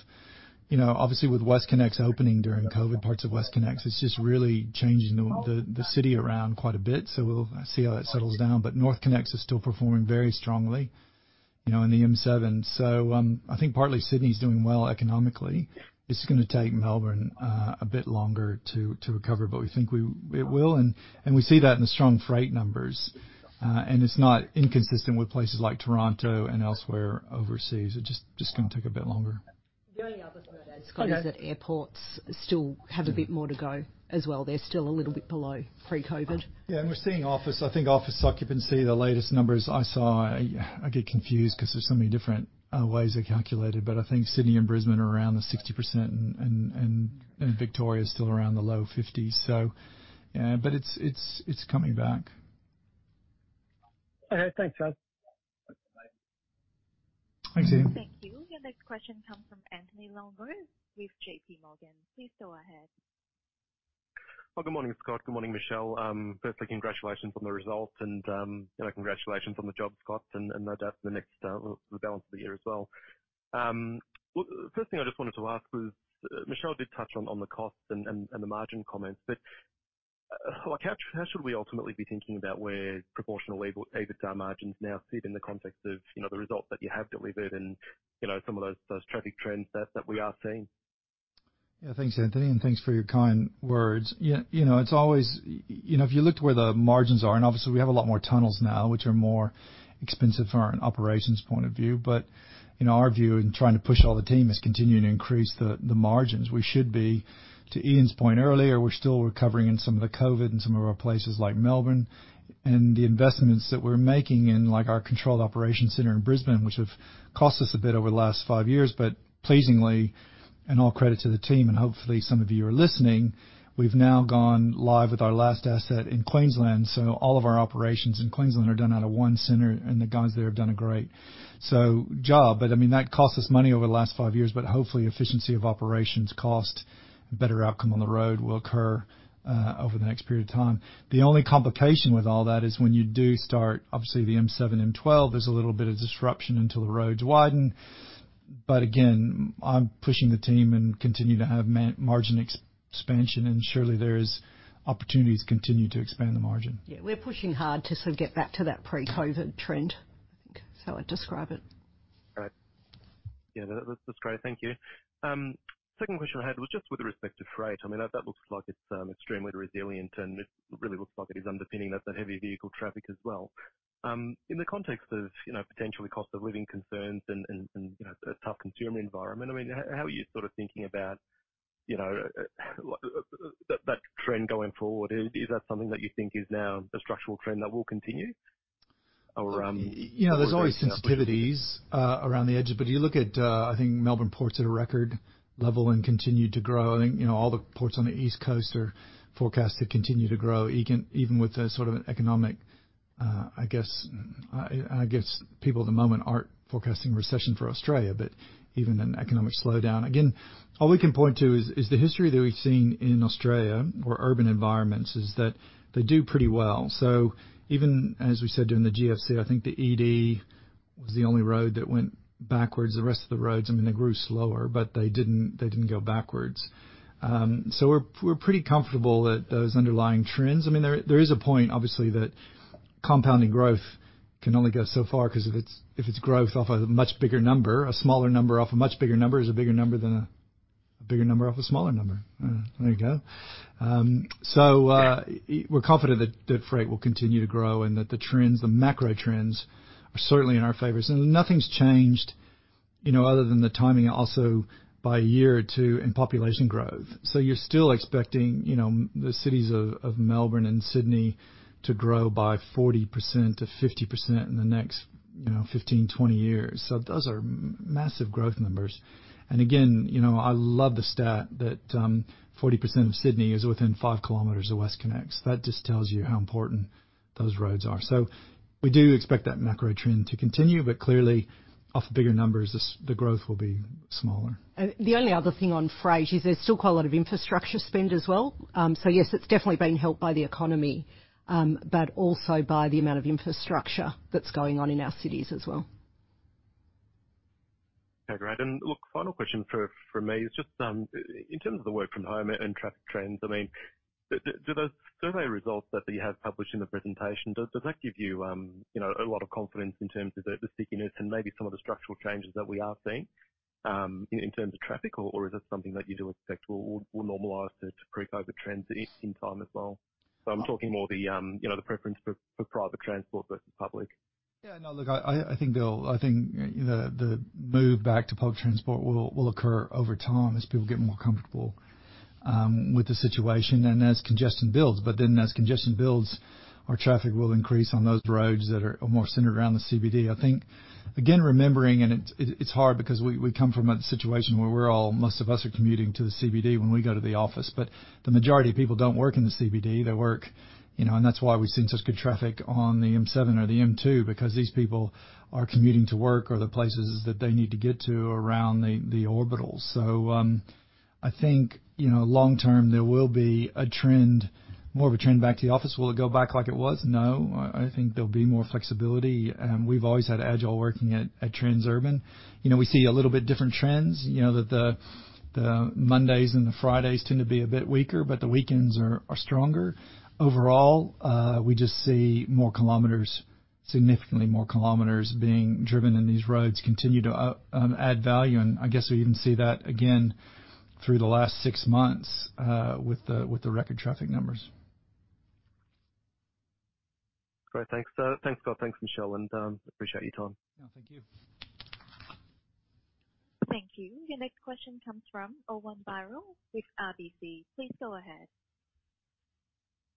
you know, obviously with WestConnex opening during COVID, parts of WestConnex, it's just really changing the city around quite a bit. We'll see how it settles down. NorthConnex is still performing very strongly, you know, in the M7. I think partly Sydney's doing well economically. It's gonna take Melbourne a bit longer to recover, but we think it will. We see that in the strong freight numbers. It's not inconsistent with places like Toronto and elsewhere overseas. It's just gonna take a bit longer. The only other thing I'd add, Scott, Okay. is that airports still have a bit more to go as well. They're still a little bit below pre-Covid. Yeah. We're seeing office, I think office occupancy, the latest numbers I saw, I get confused 'cause there's so many different ways they're calculated, but I think Sydney and Brisbane are around the 60% and Victoria is still around the low 50s. But it's, it's coming back. Okay. Thanks, guys. Thanks, Ian. Thank you. Your next question comes from Anthony Longo with JPMorgan. Please go ahead. Well, good morning, Scott. Good morning, Michelle. Firstly, congratulations on the results and, you know, congratulations on the job, Scott, and no doubt in the next, the balance of the year as well. First thing I just wanted to ask was, Michelle did touch on the costs and the margin comments. Like how should we ultimately be thinking about where proportionally we'll take EBITDA margins now sit in the context of, you know, the results that you have delivered and, you know, some of those traffic trends that we are seeing? Thanks, Anthony, and thanks for your kind words. You know, if you looked where the margins are, and obviously we have a lot more tunnels now, which are more expensive from an operations point of view, but in our view, in trying to push all the team is continuing to increase the margins. We should be, to Ian's point earlier, we're still recovering in some of the COVID and some of our places like Melbourne and the investments that we're making in, like, our controlled operation center in Brisbane, which have cost us a bit over the last five years, but pleasingly, and all credit to the team, and hopefully, some of you are listening, we've now gone live with our last asset in Queensland, so all of our operations in Queensland are done out of one center, and the guys there have done a great job. I mean, that cost us money over the last five years, but hopefully efficiency of operations cost, a better outcome on the road will occur over the next period of time. The only complication with all that is when you do start, obviously the M7, M12, there's a little bit of disruption until the roads widen. Again, I'm pushing the team and continue to have margin expansion, surely there's opportunities continue to expand the margin. Yeah, we're pushing hard to sort of get back to that pre-COVID trend. I think that's how I'd describe it. Great. Yeah, that's great. Thank you. Second question I had was just with respect to freight. I mean, that looks like it's extremely resilient, and it really looks like it is underpinning that heavy vehicle traffic as well. In the context of, you know, potentially cost of living concerns and, you know, a tough consumer environment, I mean, how are you sort of thinking about, you know, that trend going forward? Is that something that you think is now a structural trend that will continue or? You know, there's always sensitivities, around the edges, you look at, I think Port of Melbourne's at a record level and continued to grow. I think, you know, all the ports on the East Coast are forecast to continue to grow, even with the sort of an economic, I guess people at the moment aren't forecasting recession for Australia, but even an economic slowdown. All we can point to is the history that we've seen in Australia or urban environments is that they do pretty well. Even as we said during the GFC, I think the ED was the only road that went backwards. The rest of the roads, I mean, they grew slower, but they didn't go backwards. So we're pretty comfortable that those underlying trends... I mean, there is a point, obviously, that compounding growth can only go so far 'cause if it's growth off a much bigger number, a smaller number off a much bigger number is a bigger number than a bigger number off a smaller number. There you go. So, we're confident that freight will continue to grow and that the trends, the macro trends are certainly in our favor. Nothing's changed, you know, other than the timing also by a year or two in population growth. You're still expecting, you know, the cities of Melbourne and Sydney to grow by 40%-50% in the next, you know, 15, 20 years. Those are massive growth numbers. Again, you know, I love the stat that 40% of Sydney is within five kilometers of WestConnex.That just tells you how important those roads are. We do expect that macro trend to continue, but clearly, off bigger numbers, the growth will be smaller. The only other thing on freight is there's still quite a lot of infrastructure spend as well. Yes, it's definitely been helped by the economy, but also by the amount of infrastructure that's going on in our cities as well. Okay, great. Look, final question from me is just in terms of the work from home and traffic trends, I mean, do the survey results that you have published in the presentation, does that give you know, a lot of confidence in terms of the stickiness and maybe some of the structural changes that we are seeing in terms of traffic, or is that something that you do expect will normalize to pre-COVID trends in time as well? I'm talking more the, you know, the preference for private transport versus public. I think the move back to public transport will occur over time as people get more comfortable with the situation and as congestion builds. As congestion builds, our traffic will increase on those roads that are more centered around the CBD. I think, again, remembering, it's hard because we come from a situation where most of us are commuting to the CBD when we go to the office. The majority of people don't work in the CBD. They work, you know, that's why we've seen such good traffic on the M7 or the M2, because these people are commuting to work or the places that they need to get to around the orbital. I think, you know, long term, there will be more of a trend back to the office. Will it go back like it was? No. I think there'll be more flexibility. We've always had agile working at Transurban. You know, we see a little bit different trends, you know, that the Mondays and the Fridays tend to be a bit weaker, but the weekends are stronger. Overall, we just see significantly more kilometers being driven, and these roads continue to add value. I guess we even see that again through the last 6 months, with the record traffic numbers. Great. Thanks, thanks, Scott. Thanks, Michelle, and, appreciate your time. Yeah, thank you. Thank you. Your next question comes from Owen Birrell with RBC. Please go ahead.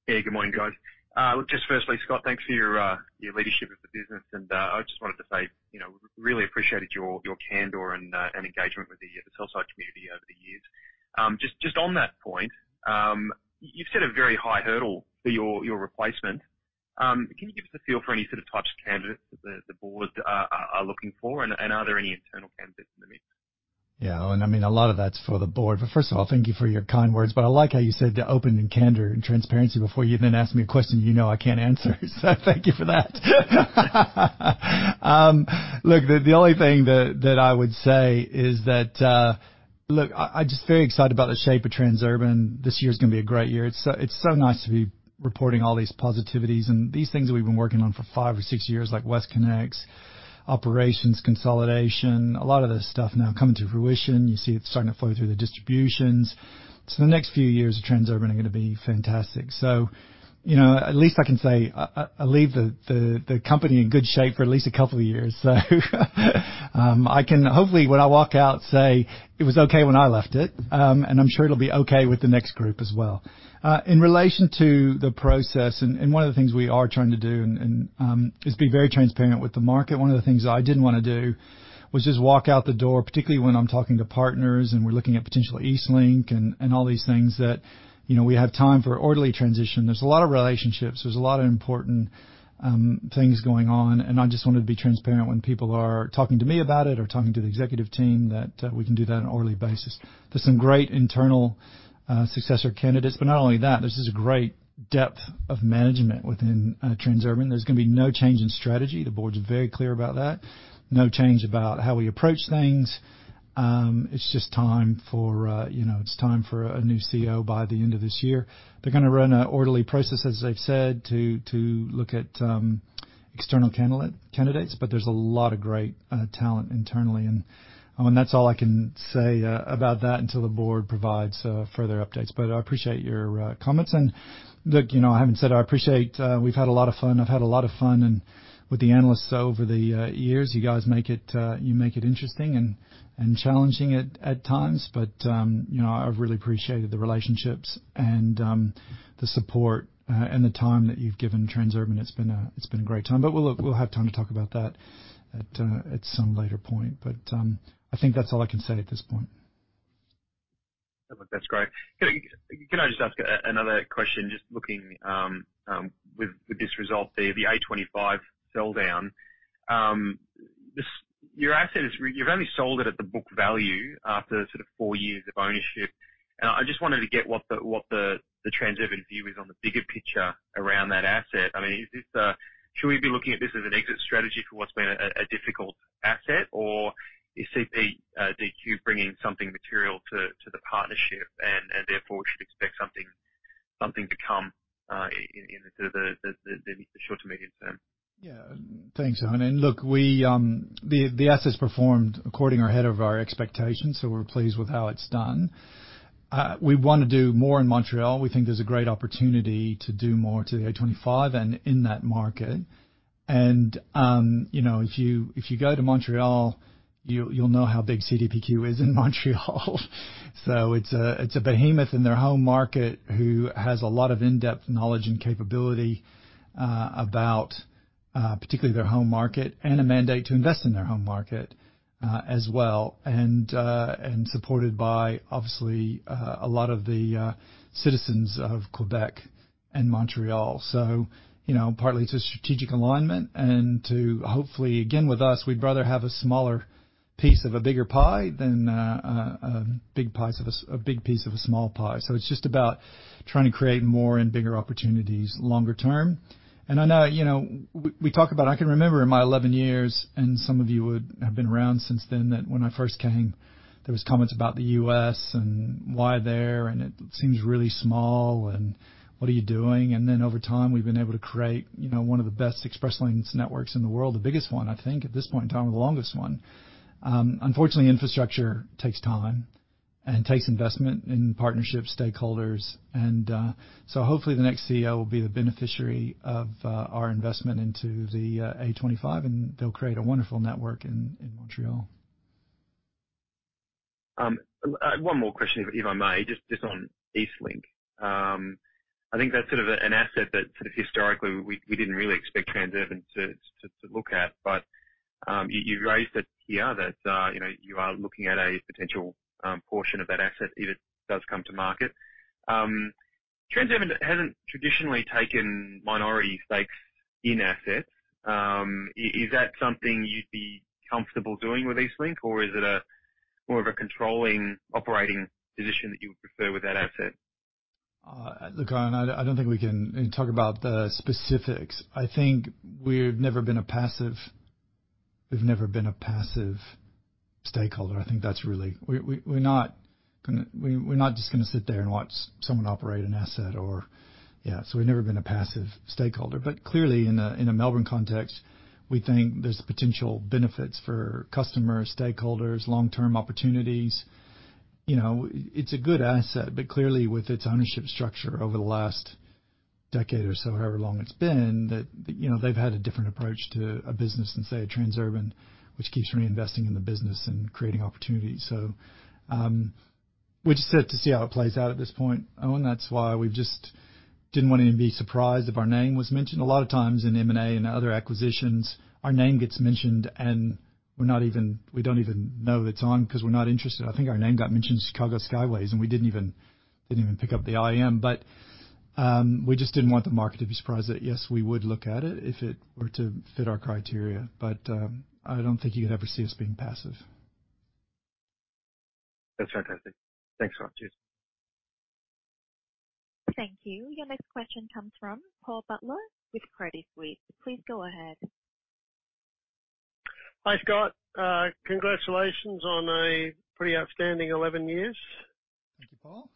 Yeah, good morning, guys. Look, just firstly, Scott, thanks for your leadership of the business. I just wanted to say, you know, really appreciated your candor and engagement with the sell-side community over the years. Just, just on that point, you've set a very high hurdle for your replacement. Can you give us a feel for any sort of types of candidates that the board are looking for? Are there any internal candidates in the mix? Yeah. Owen Birrell, I mean, a lot of that's for the board. First of all, thank you for your kind words. I like how you said the open and candor and transparency before you then asked me a question you know I can't answer. Thank you for that. Look, I'm just very excited about the shape of Transurban. This year is going to be a great year. It's so nice to be reporting all these positivities and these things that we've been working on for five or six years, like WestConnex, operations consolidation, a lot of this stuff now coming to fruition. You see it starting to flow through the distributions. The next few years of Transurban are going to be fantastic. You know, at least I can say I leave the company in good shape for at least two years. I can hopefully when I walk out say it was okay when I left it. I'm sure it'll be okay with the next group as well. In relation to the process and one of the things we are trying to do and is be very transparent with the market. One of the things I didn't wanna do was just walk out the door, particularly when I'm talking to partners and we're looking at potential EastLink and all these things that, you know, we have time for orderly transition. There's a lot of relationships, there's a lot of important things going on, and I just wanted to be transparent when people are talking to me about it or talking to the executive team that we can do that on an orderly basis. There's some great internal successor candidates, but not only that, there's just a great depth of management within Transurban. There's gonna be no change in strategy. The board is very clear about that. No change about how we approach things. It's just time for, you know, it's time for a new CEO by the end of this year. They're gonna run a orderly process, as they've said, to look at external candidates, but there's a lot of great talent internally. I mean, that's all I can say about that until the board provides further updates. I appreciate your comments. Look, you know, I haven't said I appreciate, we've had a lot of fun. I've had a lot of fun and with the analysts over the years. You guys make it, you make it interesting and challenging at times. You know, I've really appreciated the relationships and the support and the time that you've given Transurban. It's been a great time. We'll have time to talk about that at some later point. I think that's all I can say at this point. That's great. Can I just ask another question? Just looking with this result there, the A25 sell-down. Your asset is You've only sold it at the book value after sort of four years of ownership. I just wanted to get what the Transurban view is on the bigger picture around that asset. I mean, is this Should we be looking at this as an exit strategy for what's been a difficult asset? You see the CDPQ bringing something material to the partnership and therefore we should expect something to come in the short to medium term? Yeah. Thanks, Owen. Look, we, the asset's performed according or ahead of our expectations, so we're pleased with how it's done. We wanna do more in Montreal. We think there's a great opportunity to do more to the A25 and in that market. You know, if you go to Montreal, you'll know how big CDPQ is in Montreal. So it's a behemoth in their home market who has a lot of in-depth knowledge and capability, about particularly their home market and a mandate to invest in their home market, as well. Supported by obviously, a lot of the citizens of Quebec and Montreal. You know, partly it's a strategic alignment and to hopefully again, with us, we'd rather have a smaller piece of a bigger pie than a big piece of a small pie. It's just about trying to create more and bigger opportunities longer term. I know, you know, I can remember in my 11 years, and some of you would have been around since then, that when I first came, there were comments about the U.S. and why there, and it seems really small and what are you doing? Then over time, we've been able to create, you know, one of the best Express Lanes networks in the world. The biggest one, I think, at this point in time, the longest one. Unfortunately, infrastructure takes time and takes investment in partnership stakeholders. Hopefully the next CEO will be the beneficiary of, our investment into the, A25, and they'll create a wonderful network in Montreal. One more question, if I may, just on EastLink. I think that's sort of an asset that historically we didn't really expect Transurban to look at. You've raised it here that, you know, you are looking at a potential portion of that asset if it does come to market. Transurban hasn't traditionally taken minority stakes in assets. Is that something you'd be comfortable doing with EastLink, or is it a more of a controlling operating position that you would prefer with that asset? Look, Owen, I don't think we can talk about the specifics. I think we've never been a passive stakeholder. I think that's really. We're not just gonna sit there and watch someone operate an asset or. Yeah. We've never been a passive stakeholder. Clearly in a Melbourne context, we think there's potential benefits for customers, stakeholders, long-term opportunities. You know, it's a good asset, but clearly with its ownership structure over the last decade or so, however long it's been, that, you know, they've had a different approach to a business than, say, Transurban, which keeps reinvesting in the business and creating opportunities. We're just set to see how it plays out at this point, Owen. That's why we just didn't want anybody to be surprised if our name was mentioned. A lot of times in M&A and other acquisitions, our name gets mentioned, and we don't even know it's on because we're not interested. I think our name got mentioned Chicago Skyway, and we didn't even pick up the IM. We just didn't want the market to be surprised that, yes, we would look at it if it were to fit our criteria. I don't think you could ever see us being passive. That's fantastic. Thanks, Scott. Cheers. Thank you. Your next question comes from Paul Butler with Credit Suisse. Please go ahead. Hi, Scott. Congratulations on a pretty outstanding 11 years. Thank you, Paul.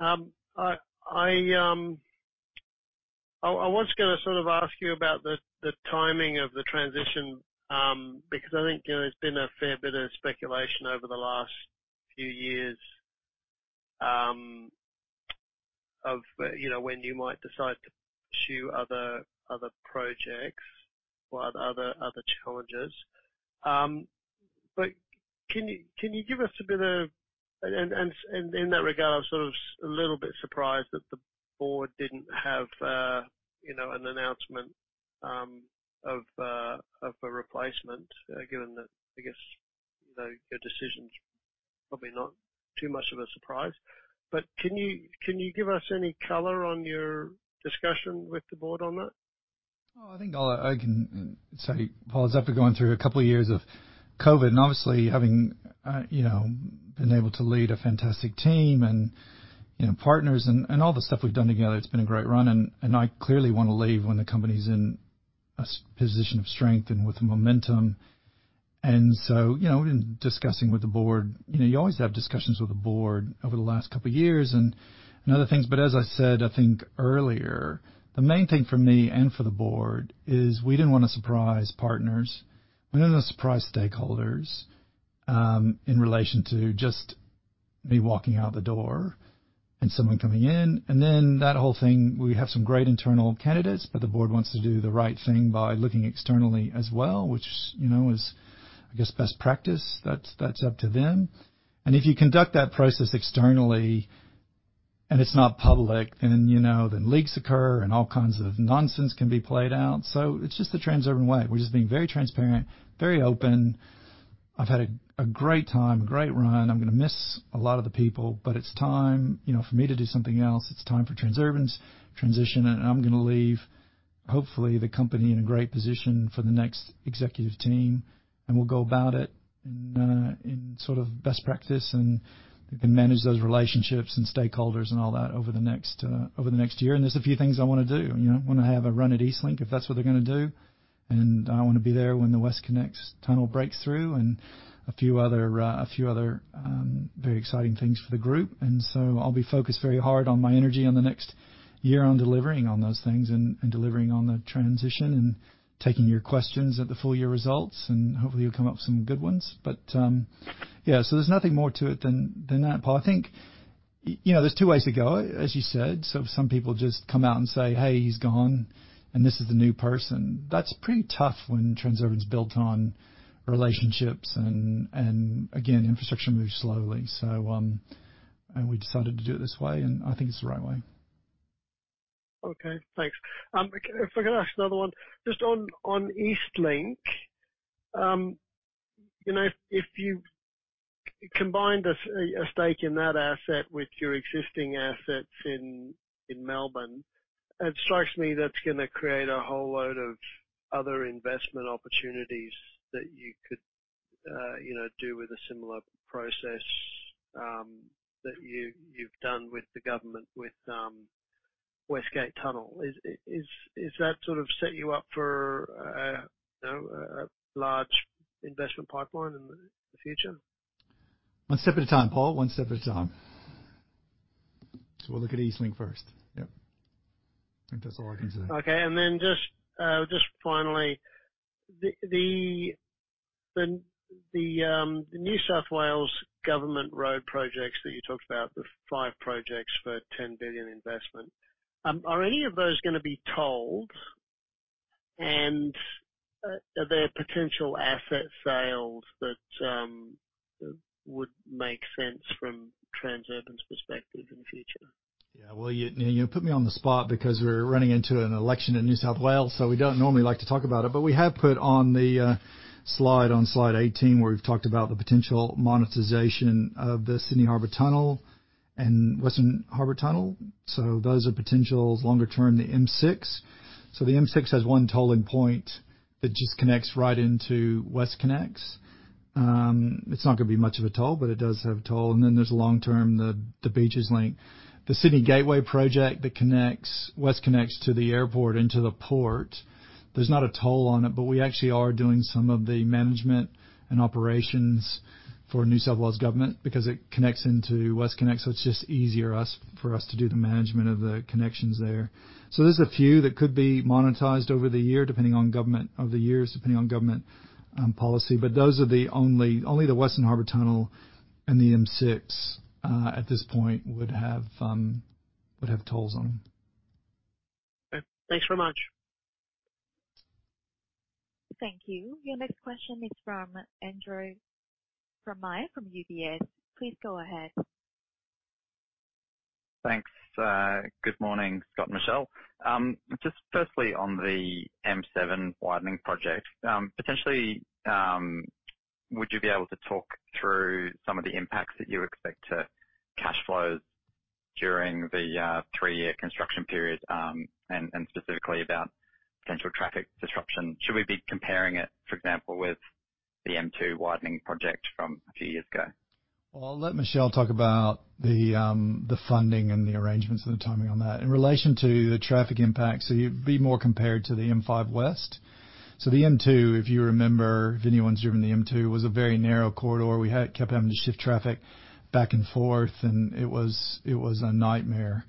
I was gonna sort of ask you about the timing of the transition, because I think, you know, there's been a fair bit of speculation over the last few years, of, you know, when you might decide to pursue other projects or other challenges. Can you give us a bit of... In that regard, I'm sort of a little bit surprised that the board didn't have, you know, an announcement, of a replacement, given that, I guess, you know, your decision's probably not too much of a surprise. Can you give us any color on your discussion with the board on that? Oh, I think all I can say, Paul, is after going through two years of COVID and obviously having, you know, been able to lead a fantastic team and, you know, partners and all the stuff we've done together, it's been a great run. I clearly wanna leave when the company's in a position of strength and with momentum. In discussing with the board, you know, you always have discussions with the board over the last two years and other things. As I said, I think earlier, the main thing for me and for the board is we didn't wanna surprise partners. We didn't wanna surprise stakeholders, in relation to just me walking out the door and someone coming in. That whole thing, we have some great internal candidates, but the board wants to do the right thing by looking externally as well, which you know, is, I guess, best practice. That's up to them. If you conduct that process externally and it's not public, then, you know, then leaks occur and all kinds of nonsense can be played out. It's just the Transurban way. We're just being very transparent, very open. I've had a great time, a great run. I'm gonna miss a lot of the people, but it's time, you know, for me to do something else. It's time for Transurban's transition. I'm gonna leave, hopefully, the company in a great position for the next executive team, and we'll go about it in sort of best practice, and they can manage those relationships and stakeholders and all that over the next year. There's a few things I wanna do. You know, I wanna have a run at EastLink, if that's what they're gonna do. I wanna be there when the WestConnex Tunnel breaks through and a few other, a few other, very exciting things for the group. I'll be focused very hard on my energy on the next year on delivering on those things and delivering on the transition and taking your questions at the full year results, and hopefully you'll come up with some good ones. Yeah, there's nothing more to it than that, Paul. I think, you know, there's two ways to go, as you said. Some people just come out and say, "Hey, he's gone, and this is the new person." That's pretty tough when Transurban's built on relationships and again, infrastructure moves slowly. We decided to do it this way, and I think it's the right way. Okay, thanks. If I could ask another one. Just on EastLink, you know, if you combined a stake in that asset with your existing assets in Melbourne, it strikes me that's gonna create a whole load of other investment opportunities that you could, you know, do with a similar process, that you've done with the government with West Gate Tunnel. Is that sort of set you up for, you know, a large investment pipeline in the future? One step at a time, Paul. One step at a time. We'll look at EastLink first. Yep. I think that's all I can say. Okay. Just finally, the New South Wales government road projects that you talked about, the five projects for 10 billion investment, are any of those gonna be tolled? Are there potential asset sales that would make sense from Transurban's perspective in the future? Yeah. Well, you know, you put me on the spot because we're running into an election in New South Wales, we don't normally like to talk about it. We have put on the slide on slide 18, where we've talked about the potential monetization of the Sydney Harbour Tunnel and Western Harbour Tunnel. Those are potentials. Longer term, the M6. The M6 has one tolling point that just connects right into WestConnex. It's not gonna be much of a toll, but it does have a toll. Then there's long-term, the Beaches Link. The Sydney Gateway project that connects WestConnex to the airport into the port. We actually are doing some of the management and operations for New South Wales government because it connects into WestConnex, so it's just easier for us to do the management of the connections there. There's a few that could be monetized over the year, depending on government over the years, depending on government policy. Only the Western Harbour Tunnel and the M6 at this point would have tolls on them. Okay. Thanks very much. Thank you. Your next question is from Andre Fromyhr from UBS. Please go ahead. Thanks. Good morning, Scott and Michelle. Just firstly, on the M7 widening project, potentially, would you be able to talk through some of the impacts that you expect to cash flows during the three-year construction period, and specifically about potential traffic disruption? Should we be comparing it, for example, with the M2 widening project from a few years ago? I'll let Michelle talk about the funding and the arrangements and the timing on that. In relation to the traffic impact, you'd be more compared to the M5 West. The M2, if you remember, if anyone's driven the M2, was a very narrow corridor. We kept having to shift traffic back and forth, and it was, it was a nightmare.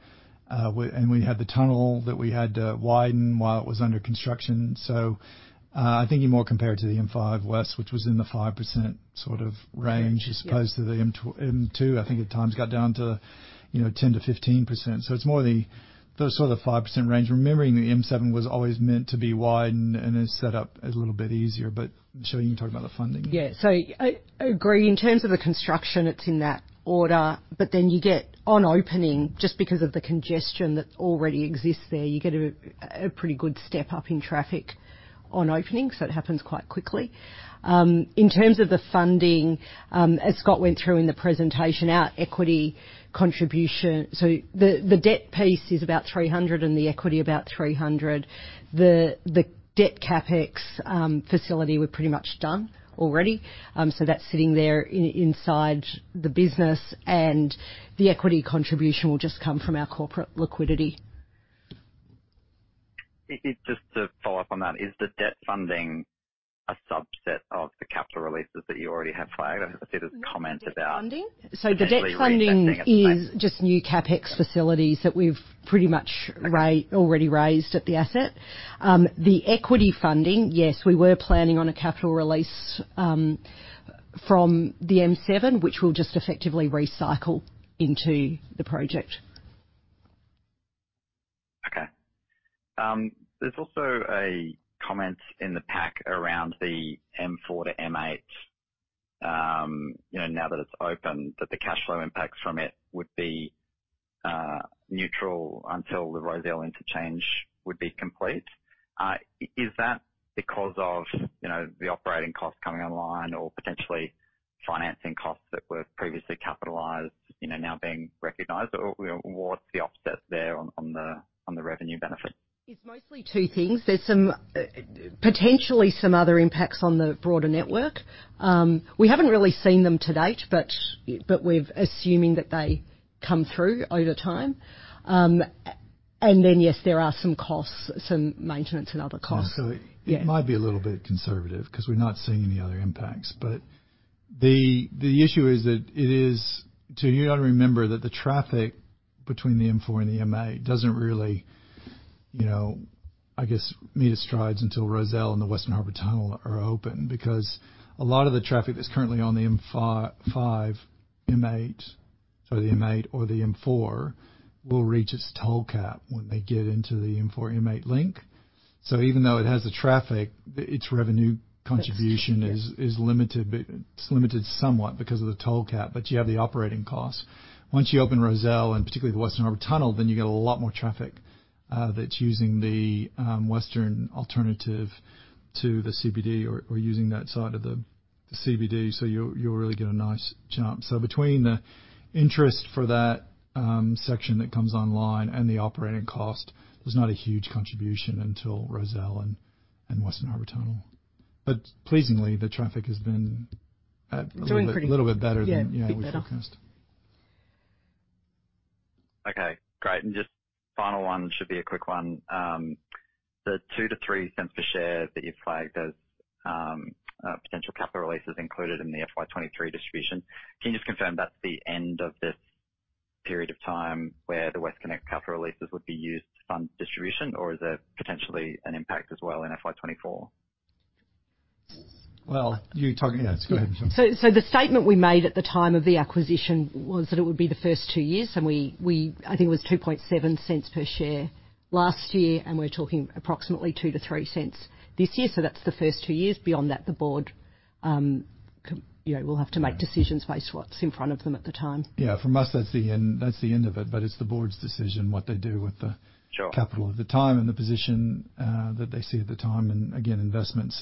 We had the tunnel that we had to widen while it was under construction. I think you're more compared to the M5 West, which was in the 5% sort of range. Okay. as opposed to the M2, I think at times got down to, you know, 10%-15%. It's more the sort of the 5% range. Remembering the M7 was always meant to be widened and is set up a little bit easier. Michelle, you can talk about the funding. I agree. In terms of the construction, it's in that order, you get on opening, just because of the congestion that already exists there, you get a pretty good step up in traffic on opening, so it happens quite quickly. In terms of the funding, as Scott went through in the presentation, our equity contribution, the debt piece is about 300 and the equity about 300. The debt CapEx facility, we're pretty much done already, so that's sitting there inside the business, and the equity contribution will just come from our corporate liquidity. Just to follow up on that. Is the debt funding a subset of the capital releases that you already have flagged? I see there's a comment about- The debt funding? potentially reinvesting The debt funding is just new CapEx facilities that we've pretty much. Okay. already raised at the asset. The equity funding, yes, we were planning on a capital release from the M7, which we'll just effectively recycle into the project. There's also a comment in the pack around the M4 to M8, you know, now that it's open, that the cash flow impacts from it would be neutral until the Rozelle Interchange would be complete. Is that because of, you know, the operating costs coming online or potentially financing costs that were previously capitalized, you know, now being recognized? Or what's the offset there on the revenue benefit? It's mostly two things. There's some potentially some other impacts on the broader network. We haven't really seen them to date, but we're assuming that they come through over time. Yes, there are some costs, some maintenance and other costs. So- Yeah. It might be a little bit conservative 'cause we're not seeing any other impacts. The issue is that it is you got to remember that the traffic between the M4 and the M8 doesn't really, you know, I guess, meet its strides until Rozelle and the Western Harbour Tunnel are open. A lot of the traffic that's currently on the M5, or the M8 or the M4 will reach its toll cap when they get into the M4-M8 Link. Even though it has the traffic, its revenue contribution- Yes. is limited. It's limited somewhat because of the toll cap, but you have the operating costs. Once you open Rozelle and particularly the Western Harbour Tunnel, then you get a lot more traffic, that's using the western alternative to the CBD or using that side of the CBD. You'll really get a nice jump. Between the interest for that section that comes online and the operating cost, there's not a huge contribution until Rozelle and Western Harbour Tunnel. Pleasingly, the traffic has been. It's doing. a little bit better than Yeah. A bit better. you know, we forecast. Okay, great. Just final one, should be a quick one. The 0.02-0.03 per share that you flagged as potential capital releases included in the FY 2023 distribution. Can you just confirm that's the end of this period of time where the WestConnex capital releases would be used to fund distribution? Or is there potentially an impact as well in FY 2024? Well. Yeah. Go ahead, Michelle. The statement we made at the time of the acquisition was that it would be the first two years, and we I think it was 0.027 per share last year, and we're talking approximately 0.02-0.03 this year. That's the first two years. Beyond that, the board, you know, will have to make decisions based what's in front of them at the time. Yeah. For us, that's the end of it. It's the board's decision, what they do with. Sure. capital at the time and the position, that they see at the time, and again, investment.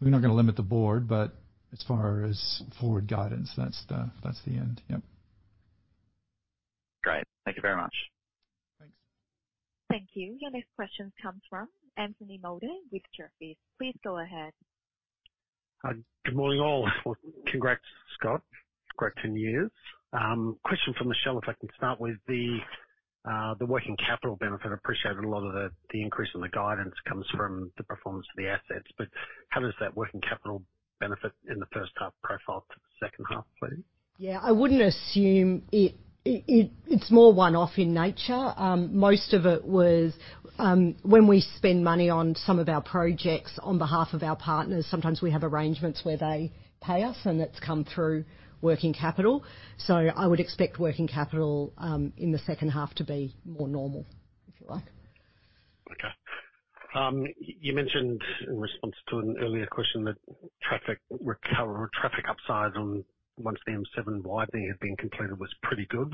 We're not gonna limit the board, but as far as forward guidance, that's the, that's the end. Yep. Great. Thank you very much. Thanks. Thank you. Your next question comes from Anthony Moulder with Jefferies. Please go ahead. Good morning all. Well, congrats, Scott. Great 10 years. Question for Michelle, if I can start with the working capital benefit. I appreciate a lot of the increase in the guidance comes from the performance of the assets, but how does that working capital benefit in the H1 profile to the H2, please? Yeah. I wouldn't assume it's more one-off in nature. Most of it was when we spend money on some of our projects on behalf of our partners, sometimes we have arrangements where they pay us, and that's come through working capital. I would expect working capital in the H2 to be more normal, if you like. Okay. you mentioned in response to an earlier question that traffic upsides on once the M7 widening had been completed was pretty good.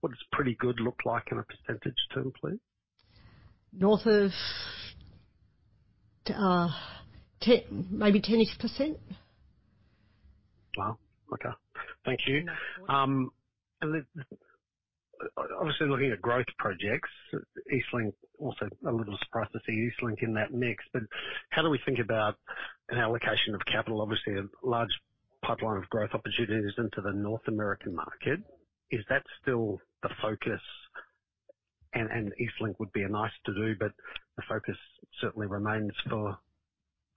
What does pretty good look like in a percentage term, please? North of, 10, maybe 10, 8%. Wow, okay. Thank you. Obviously looking at growth projects, EastLink also a little surprised to see EastLink in that mix, but how do we think about an allocation of capital, obviously a large pipeline of growth opportunities into the North American market. Is that still the focus? EastLink would be a nice to do, but the focus certainly remains for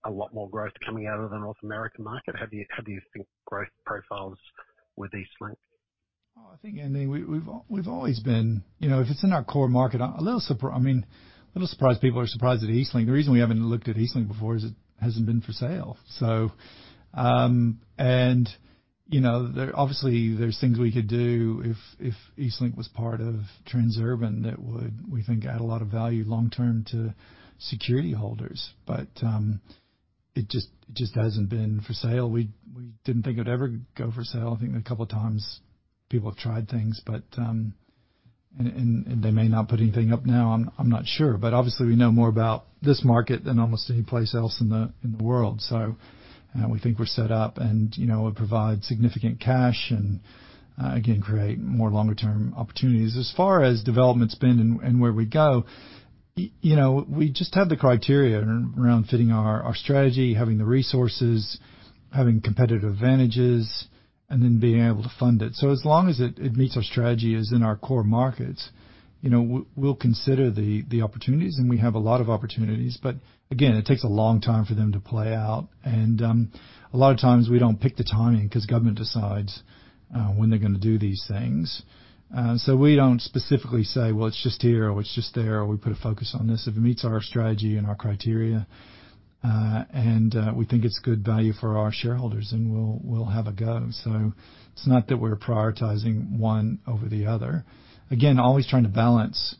a lot more growth coming out of the North American market. How do you think growth profiles with EastLink? I think, Anthony, we've always been... You know, if it's in our core market, a little surprised I mean, a little surprised people are surprised at EastLink. The reason we haven't looked at EastLink before is it hasn't been for sale. And, you know, there, obviously, there's things we could do if EastLink was part of Transurban that would, we think, add a lot of value long term to security holders. It just, it just hasn't been for sale. We didn't think it would ever go for sale. I think a couple of times people have tried things, but, and they may not put anything up now. I'm not sure. Obviously we know more about this market than almost any place else in the world. We think we're set up and, you know, it provides significant cash and again, create more longer term opportunities. As far as development's been and where we go, you know, we just have the criteria around fitting our strategy, having the resources, having competitive advantages, and then being able to fund it. As long as it meets our strategy, is in our core markets, you know, we'll consider the opportunities, and we have a lot of opportunities. Again, it takes a long time for them to play out. A lot of times we don't pick the timing because government decides when they're gonna do these things. We don't specifically say, "Well, it's just here or it's just there," or we put a focus on this. If it meets our strategy and our criteria, we think it's good value for our shareholders, then we'll have a go. It's not that we're prioritizing one over the other. Again, always trying to balance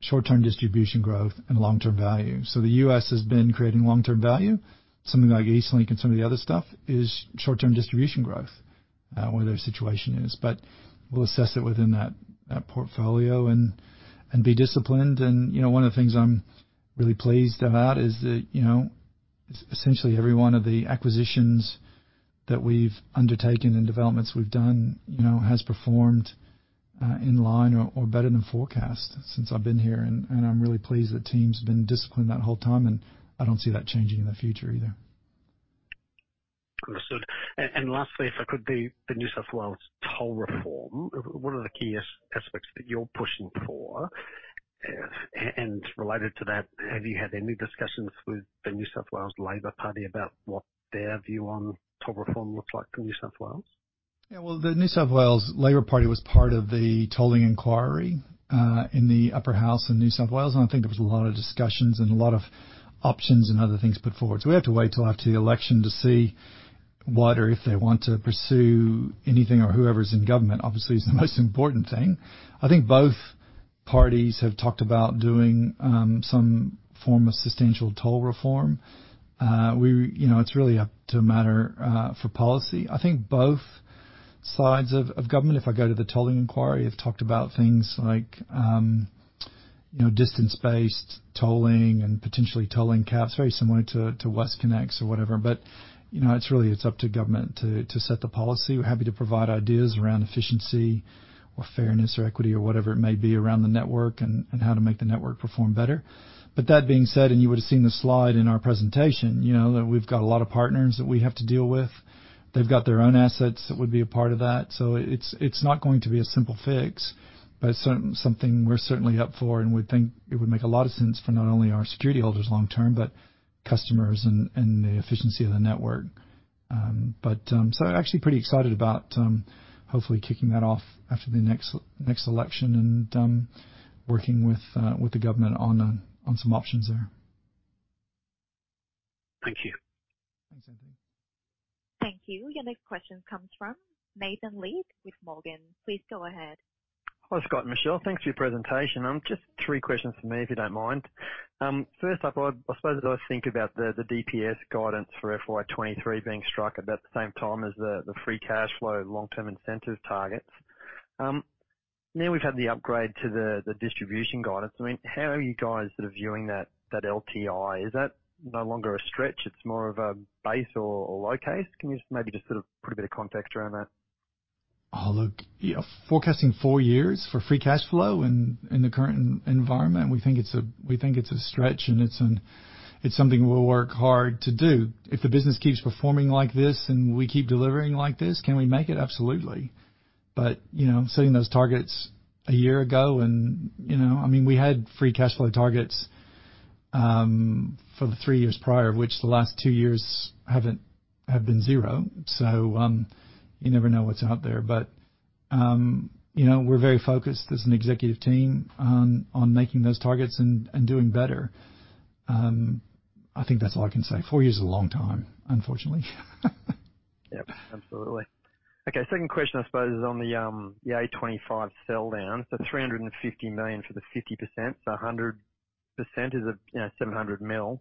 short-term distribution growth and long-term value. The U.S. has been creating long-term value. Something like EastLink and some of the other stuff is short-term distribution growth, where their situation is. We'll assess it within that portfolio and be disciplined. You know, one of the things I'm really pleased about is that, you know, essentially every one of the acquisitions that we've undertaken and developments we've done, you know, has performed in line or better than forecast since I've been here, and I'm really pleased the team's been disciplined that whole time, and I don't see that changing in the future either. Understood. Lastly, if I could, the New South Wales toll reform, what are the key aspects that you're pushing for? Related to that, have you had any discussions with the New South Wales Labor Party about what their view on toll reform looks like for New South Wales? Yeah. The New South Wales Labor Party was part of the tolling inquiry, in the upper house in New South Wales, and I think there was a lot of discussions and a lot of options and other things put forward. We have to wait till after the election to see what or if they want to pursue anything or whoever's in government, obviously is the most important thing. I think both parties have talked about doing, some form of substantial toll reform. You know, it's really up to a matter, for policy. I think both sides of government, if I go to the tolling inquiry, have talked about things like, you know, distance-based tolling and potentially tolling caps, very similar to WestConnex or whatever. You know, it's really, it's up to government to set the policy. We're happy to provide ideas around efficiency or fairness or equity or whatever it may be around the network and how to make the network perform better. That being said, and you would've seen the slide in our presentation, you know, that we've got a lot of partners that we have to deal with. They've got their own assets that would be a part of that. It's not going to be a simple fix, but something we're certainly up for and we think it would make a lot of sense for not only our security holders long term, but customers and the efficiency of the network. Actually pretty excited about hopefully kicking that off after the next election and working with the government on some options there. Thank you. Thanks, Anthony. Thank you. Your next question comes from Nathan Lead with Morgans. Please go ahead. Hi, Scott and Michelle. Thanks for your presentation. Just three questions from me, if you don't mind. First up, I suppose as I was thinking about the DPS guidance for FY 2023 being struck about the same time as the free cash flow long-term incentive targets. We've had the upgrade to the distribution guidance. I mean, how are you guys sort of viewing that LTI? Is that no longer a stretch? It's more of a base or low case? Can you just sort of put a bit of context around that? Oh, look, yeah, forecasting four years for free cash flow in the current environment, we think it's a stretch and it's an, it's something we'll work hard to do. If the business keeps performing like this and we keep delivering like this, can we make it? Absolutely. You know, setting those targets one year ago when, you know, I mean, we had free cash flow targets for the three years prior, which the last two years haven't, have been zero. You never know what's out there. You know, we're very focused as an executive team on making those targets and doing better. I think that's all I can say. Four years is a long time, unfortunately. Yep, absolutely. Okay. Second question, I suppose, is on the A25 sell down. 350 million for the 50%. 100% is, you know, 700 million.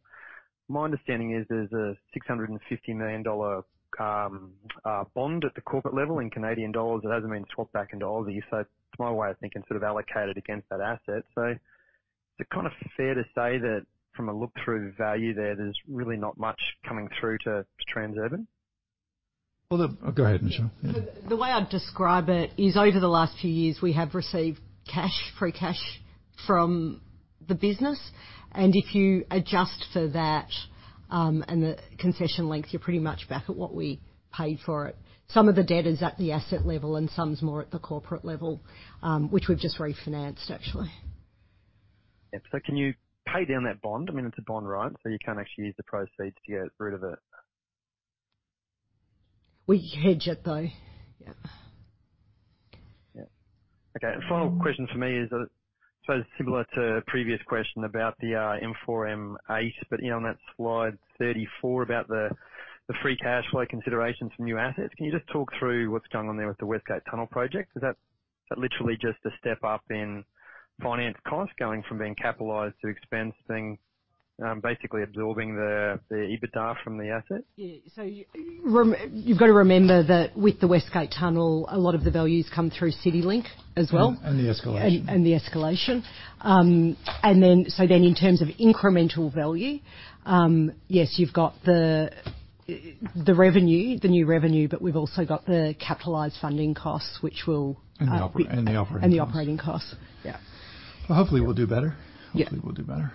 My understanding is there's a 650 million dollar bond at the corporate level in CAD that hasn't been swapped back into AUD. It's my way of thinking, sort of allocated against that asset. Is it kind of fair to say that from a look-through value there's really not much coming through to Transurban? Well, Go ahead, Michelle. Yeah. The way I'd describe it is over the last few years, we have received cash, free cash from the business, and if you adjust for that, and the concession length, you're pretty much back at what we paid for it. Some of the debt is at the asset level and some is more at the corporate level, which we've just refinanced actually. Yeah. Can you pay down that bond? I mean, it's a bond, right? You can't actually use the proceeds to get rid of it. We hedge it, though. Yeah. Okay. Final question for me is sort of similar to a previous question about the M4M8, but, you know, on that slide 34 about the free cash flow considerations from new assets. Can you just talk through what's going on there with the West Gate Tunnel project? Is that literally just a step up in finance costs going from being capitalized to expensing, basically absorbing the EBITDA from the asset? You've got to remember that with the West Gate Tunnel, a lot of the values come through CityLink as well. The escalation. The escalation. In terms of incremental value, yes, you've got the revenue, the new revenue, but we've also got the capitalized funding costs. The operating costs. The operating costs. Yeah. Well, hopefully we'll do better. Yeah. Hopefully we'll do better.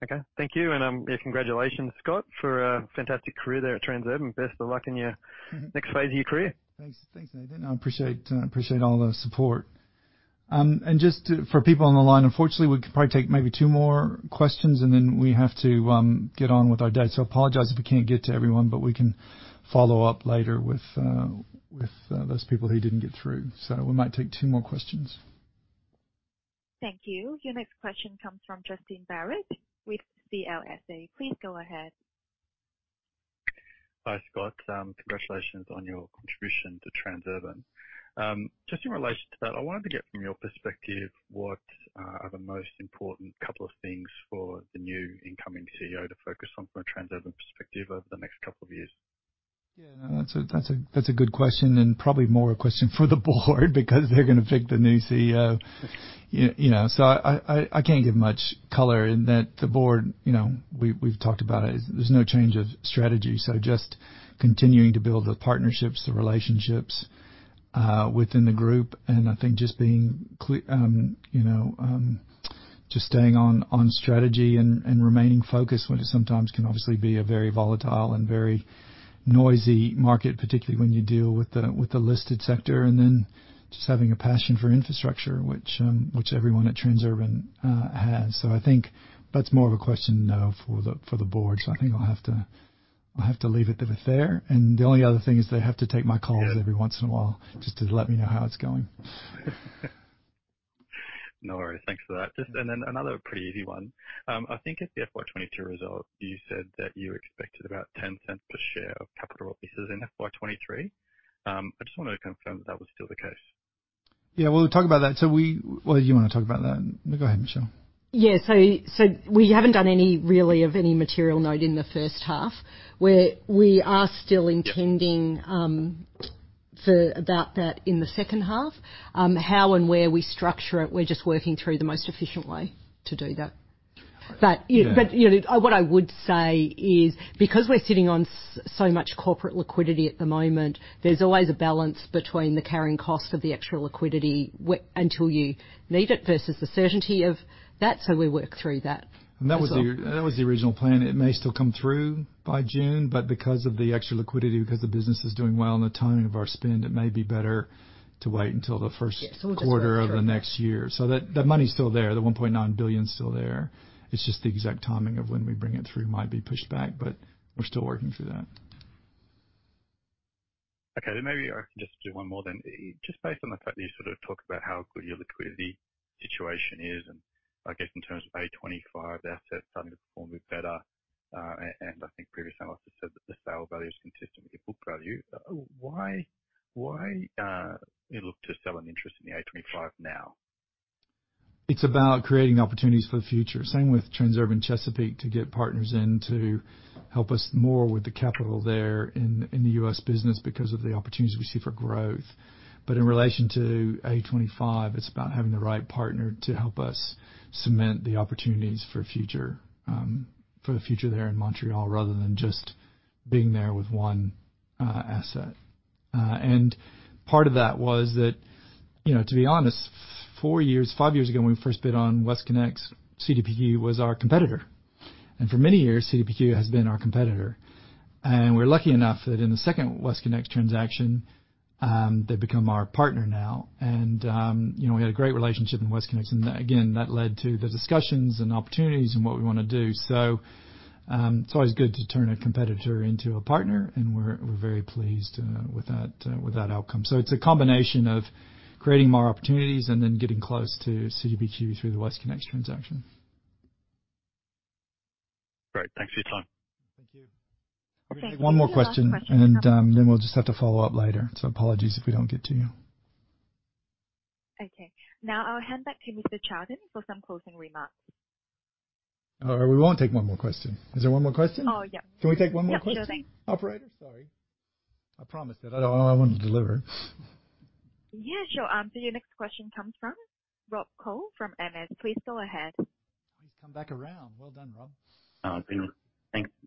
Yep. Okay. Thank you. Yeah, congratulations, Scott, for a fantastic career there at Transurban. Best of luck in your next phase of your career. Thanks. Thanks, Nathan. I appreciate all the support. Just for people on the line, unfortunately, we can probably take maybe two more questions, then we have to get on with our day. I apologize if we can't get to everyone, but we can follow up later with those people who didn't get through. We might take 2 more questions. Thank you. Your next question comes from Justin Barratt with CLSA. Please go ahead. Hi, Scott. congratulations on your contribution to Transurban. just in relation to that, I wanted to get from your perspective, what are the most important couple of things for the new incoming CEO to focus on from a Transurban perspective over the next couple of years? Yeah. That's a good question, and probably more a question for the board because they're gonna pick the new CEO, you know. I can't give much color in that. The board, you know, we've talked about it. There's no change of strategy. Just continuing to build the partnerships, the relationships, within the group. I think just being, you know, just staying on strategy and remaining focused when it sometimes can obviously be a very volatile and very noisy market, particularly when you deal with the listed sector, and then just having a passion for infrastructure, which everyone at Transurban has. I think that's more of a question now for the board. I think I'll have to leave it at there. The only other thing is they have to take my calls every once in a while just to let me know how it's going. No worries. Thanks for that. Just another pretty easy one. I think at the FY 2022 result, you said that you expected about 0.10 per share of capital releases in FY 2023. I just wanted to confirm that that was still the case. Yeah, we'll talk about that. Well, you wanna talk about that. No, go ahead, Michelle. We haven't done any really of any material note in the H1. We are still intending for about that in the H2. How and where we structure it, we're just working through the most efficient way to do that. You know, what I would say is, because we're sitting on so much corporate liquidity at the moment, there's always a balance between the carrying cost of the extra liquidity until you need it versus the certainty of that. We work through that. That was the original plan. It may still come through by June, but because of the extra liquidity, because the business is doing well and the timing of our spend, it may be better to wait until the Q1 of the next year. We'll just work through that. That money's still there, the 1.9 billion is still there. It's just the exact timing of when we bring it through might be pushed back, but we're still working through that. Okay. Maybe I can just do one more then. Just based on the fact that you sort of talked about how good your liquidity situation is, and I guess in terms of A25, the asset starting to perform a bit better, and I think previous analysts have said that the sale value is consistent with your book value. Why you look to sell an interest in the A25 now? It's about creating opportunities for the future. Same with Transurban Chesapeake to get partners in to help us more with the capital there in the U.S. business because of the opportunities we see for growth. In relation to A25, it's about having the right partner to help us cement the opportunities for the future there in Montreal, rather than just being there with one asset. Part of that was that, you know, to be honest, four years, five years ago, when we first bid on WestConnex, CDPQ was our competitor. For many years, CDPQ has been our competitor. We're lucky enough that in the second WestConnex transaction, they've become our partner now. You know, we had a great relationship in WestConnex, and again, that led to the discussions and opportunities and what we wanna do. It's always good to turn a competitor into a partner, and we're very pleased with that outcome. It's a combination of creating more opportunities and then getting close to CDPQ through the WestConnex transaction. Great. Thanks for your time. Thank you. We can take one more question, and, then we'll just have to follow up later. Apologies if we don't get to you. Okay. Now I'll hand back to Mr. Charlton for some closing remarks. All right, we will take one more question. Is there one more question? Oh, yep. Can we take one more question, operator? Sorry. I promised it. I wanna deliver. Yeah, sure. Your next question comes from Rob Koh from Morgan Stanley. Please go ahead. Oh, he's come back around. Well done, Rob.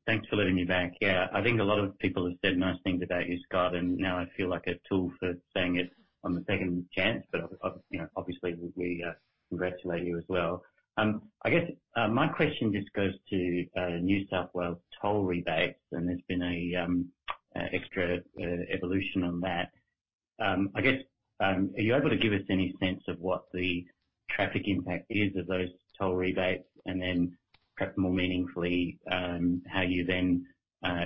Thanks for letting me back. I think a lot of people have said nice things about you, Scott, and now I feel like a tool for saying it on the second chance. You know, obviously we congratulate you as well. I guess my question just goes to New South Wales toll rebates, and there's been a extra evolution on that. I guess are you able to give us any sense of what the traffic impact is of those toll rebates and then perhaps more meaningfully, how you then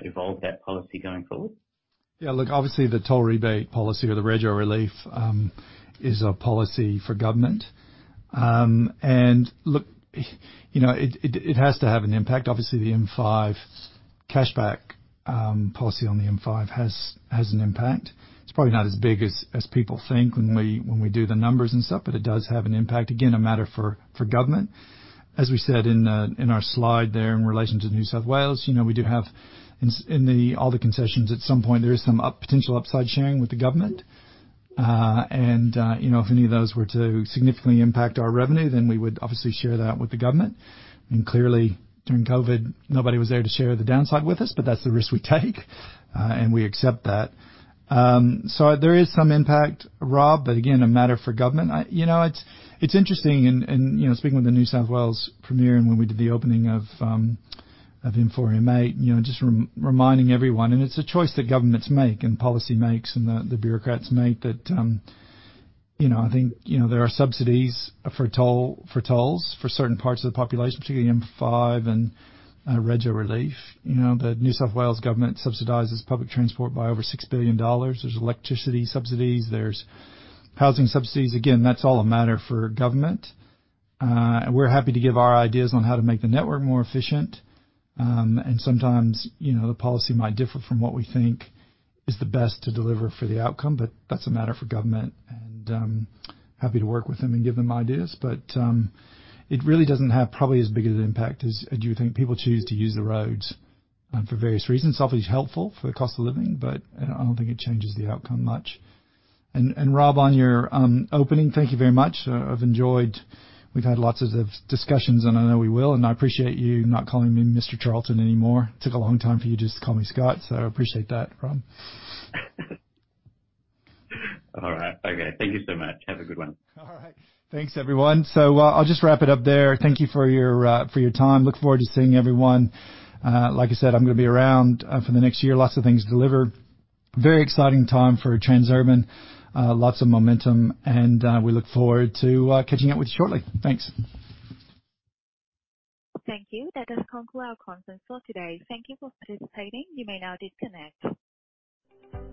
evolve that policy going forward? Yeah, look, obviously the toll rebate policy or the rego relief, is a policy for government. Look, you know, it, it has to have an impact. Obviously, the M5 cashback policy on the M5 has an impact. It's probably not as big as people think when we, when we do the numbers and stuff, but it does have an impact. Again, a matter for government. As we said in our slide there in relation to New South Wales, you know, we do have all the concessions at some point, there is some up, potential upside sharing with the government. You know, if any of those were to significantly impact our revenue, then we would obviously share that with the government. Clearly, during COVID, nobody was there to share the downside with us, but that's the risk we take, and we accept that. So there is some impact, Rob, but again, a matter for government. You know, it's interesting and, you know, speaking with the New South Wales Premier and when we did the opening of M4-M8, you know, just reminding everyone, and it's a choice that governments make and policy makes and the bureaucrats make that, you know, I think, you know, there are subsidies for tolls for certain parts of the population, particularly M5 and rego relief. You know, the New South Wales government subsidizes public transport by over 6 billion dollars. There's electricity subsidies. There's housing subsidies. Again, that's all a matter for government. We're happy to give our ideas on how to make the network more efficient. Sometimes, you know, the policy might differ from what we think is the best to deliver for the outcome, but that's a matter for government and happy to work with them and give them ideas. It really doesn't have probably as big as an impact as you would think. People choose to use the roads for various reasons. It's obviously helpful for the cost of living, but I don't think it changes the outcome much. Rob, on your opening, thank you very much. We've had lots of discussions, and I know we will. I appreciate you not calling me Mr. Charlton anymore. Took a long time for you just to call me Scott. I appreciate that, Rob. All right. Okay. Thank you so much. Have a good one. All right. Thanks, everyone. I'll just wrap it up there. Thank you for your time. Look forward to seeing everyone. Like I said, I'm gonna be around for the next year. Lots of things to deliver. Very exciting time for Transurban Group. Lots of momentum, and we look forward to catching up with you shortly. Thanks. Thank you. That does conclude our conference call today. Thank you for participating. You may now disconnect.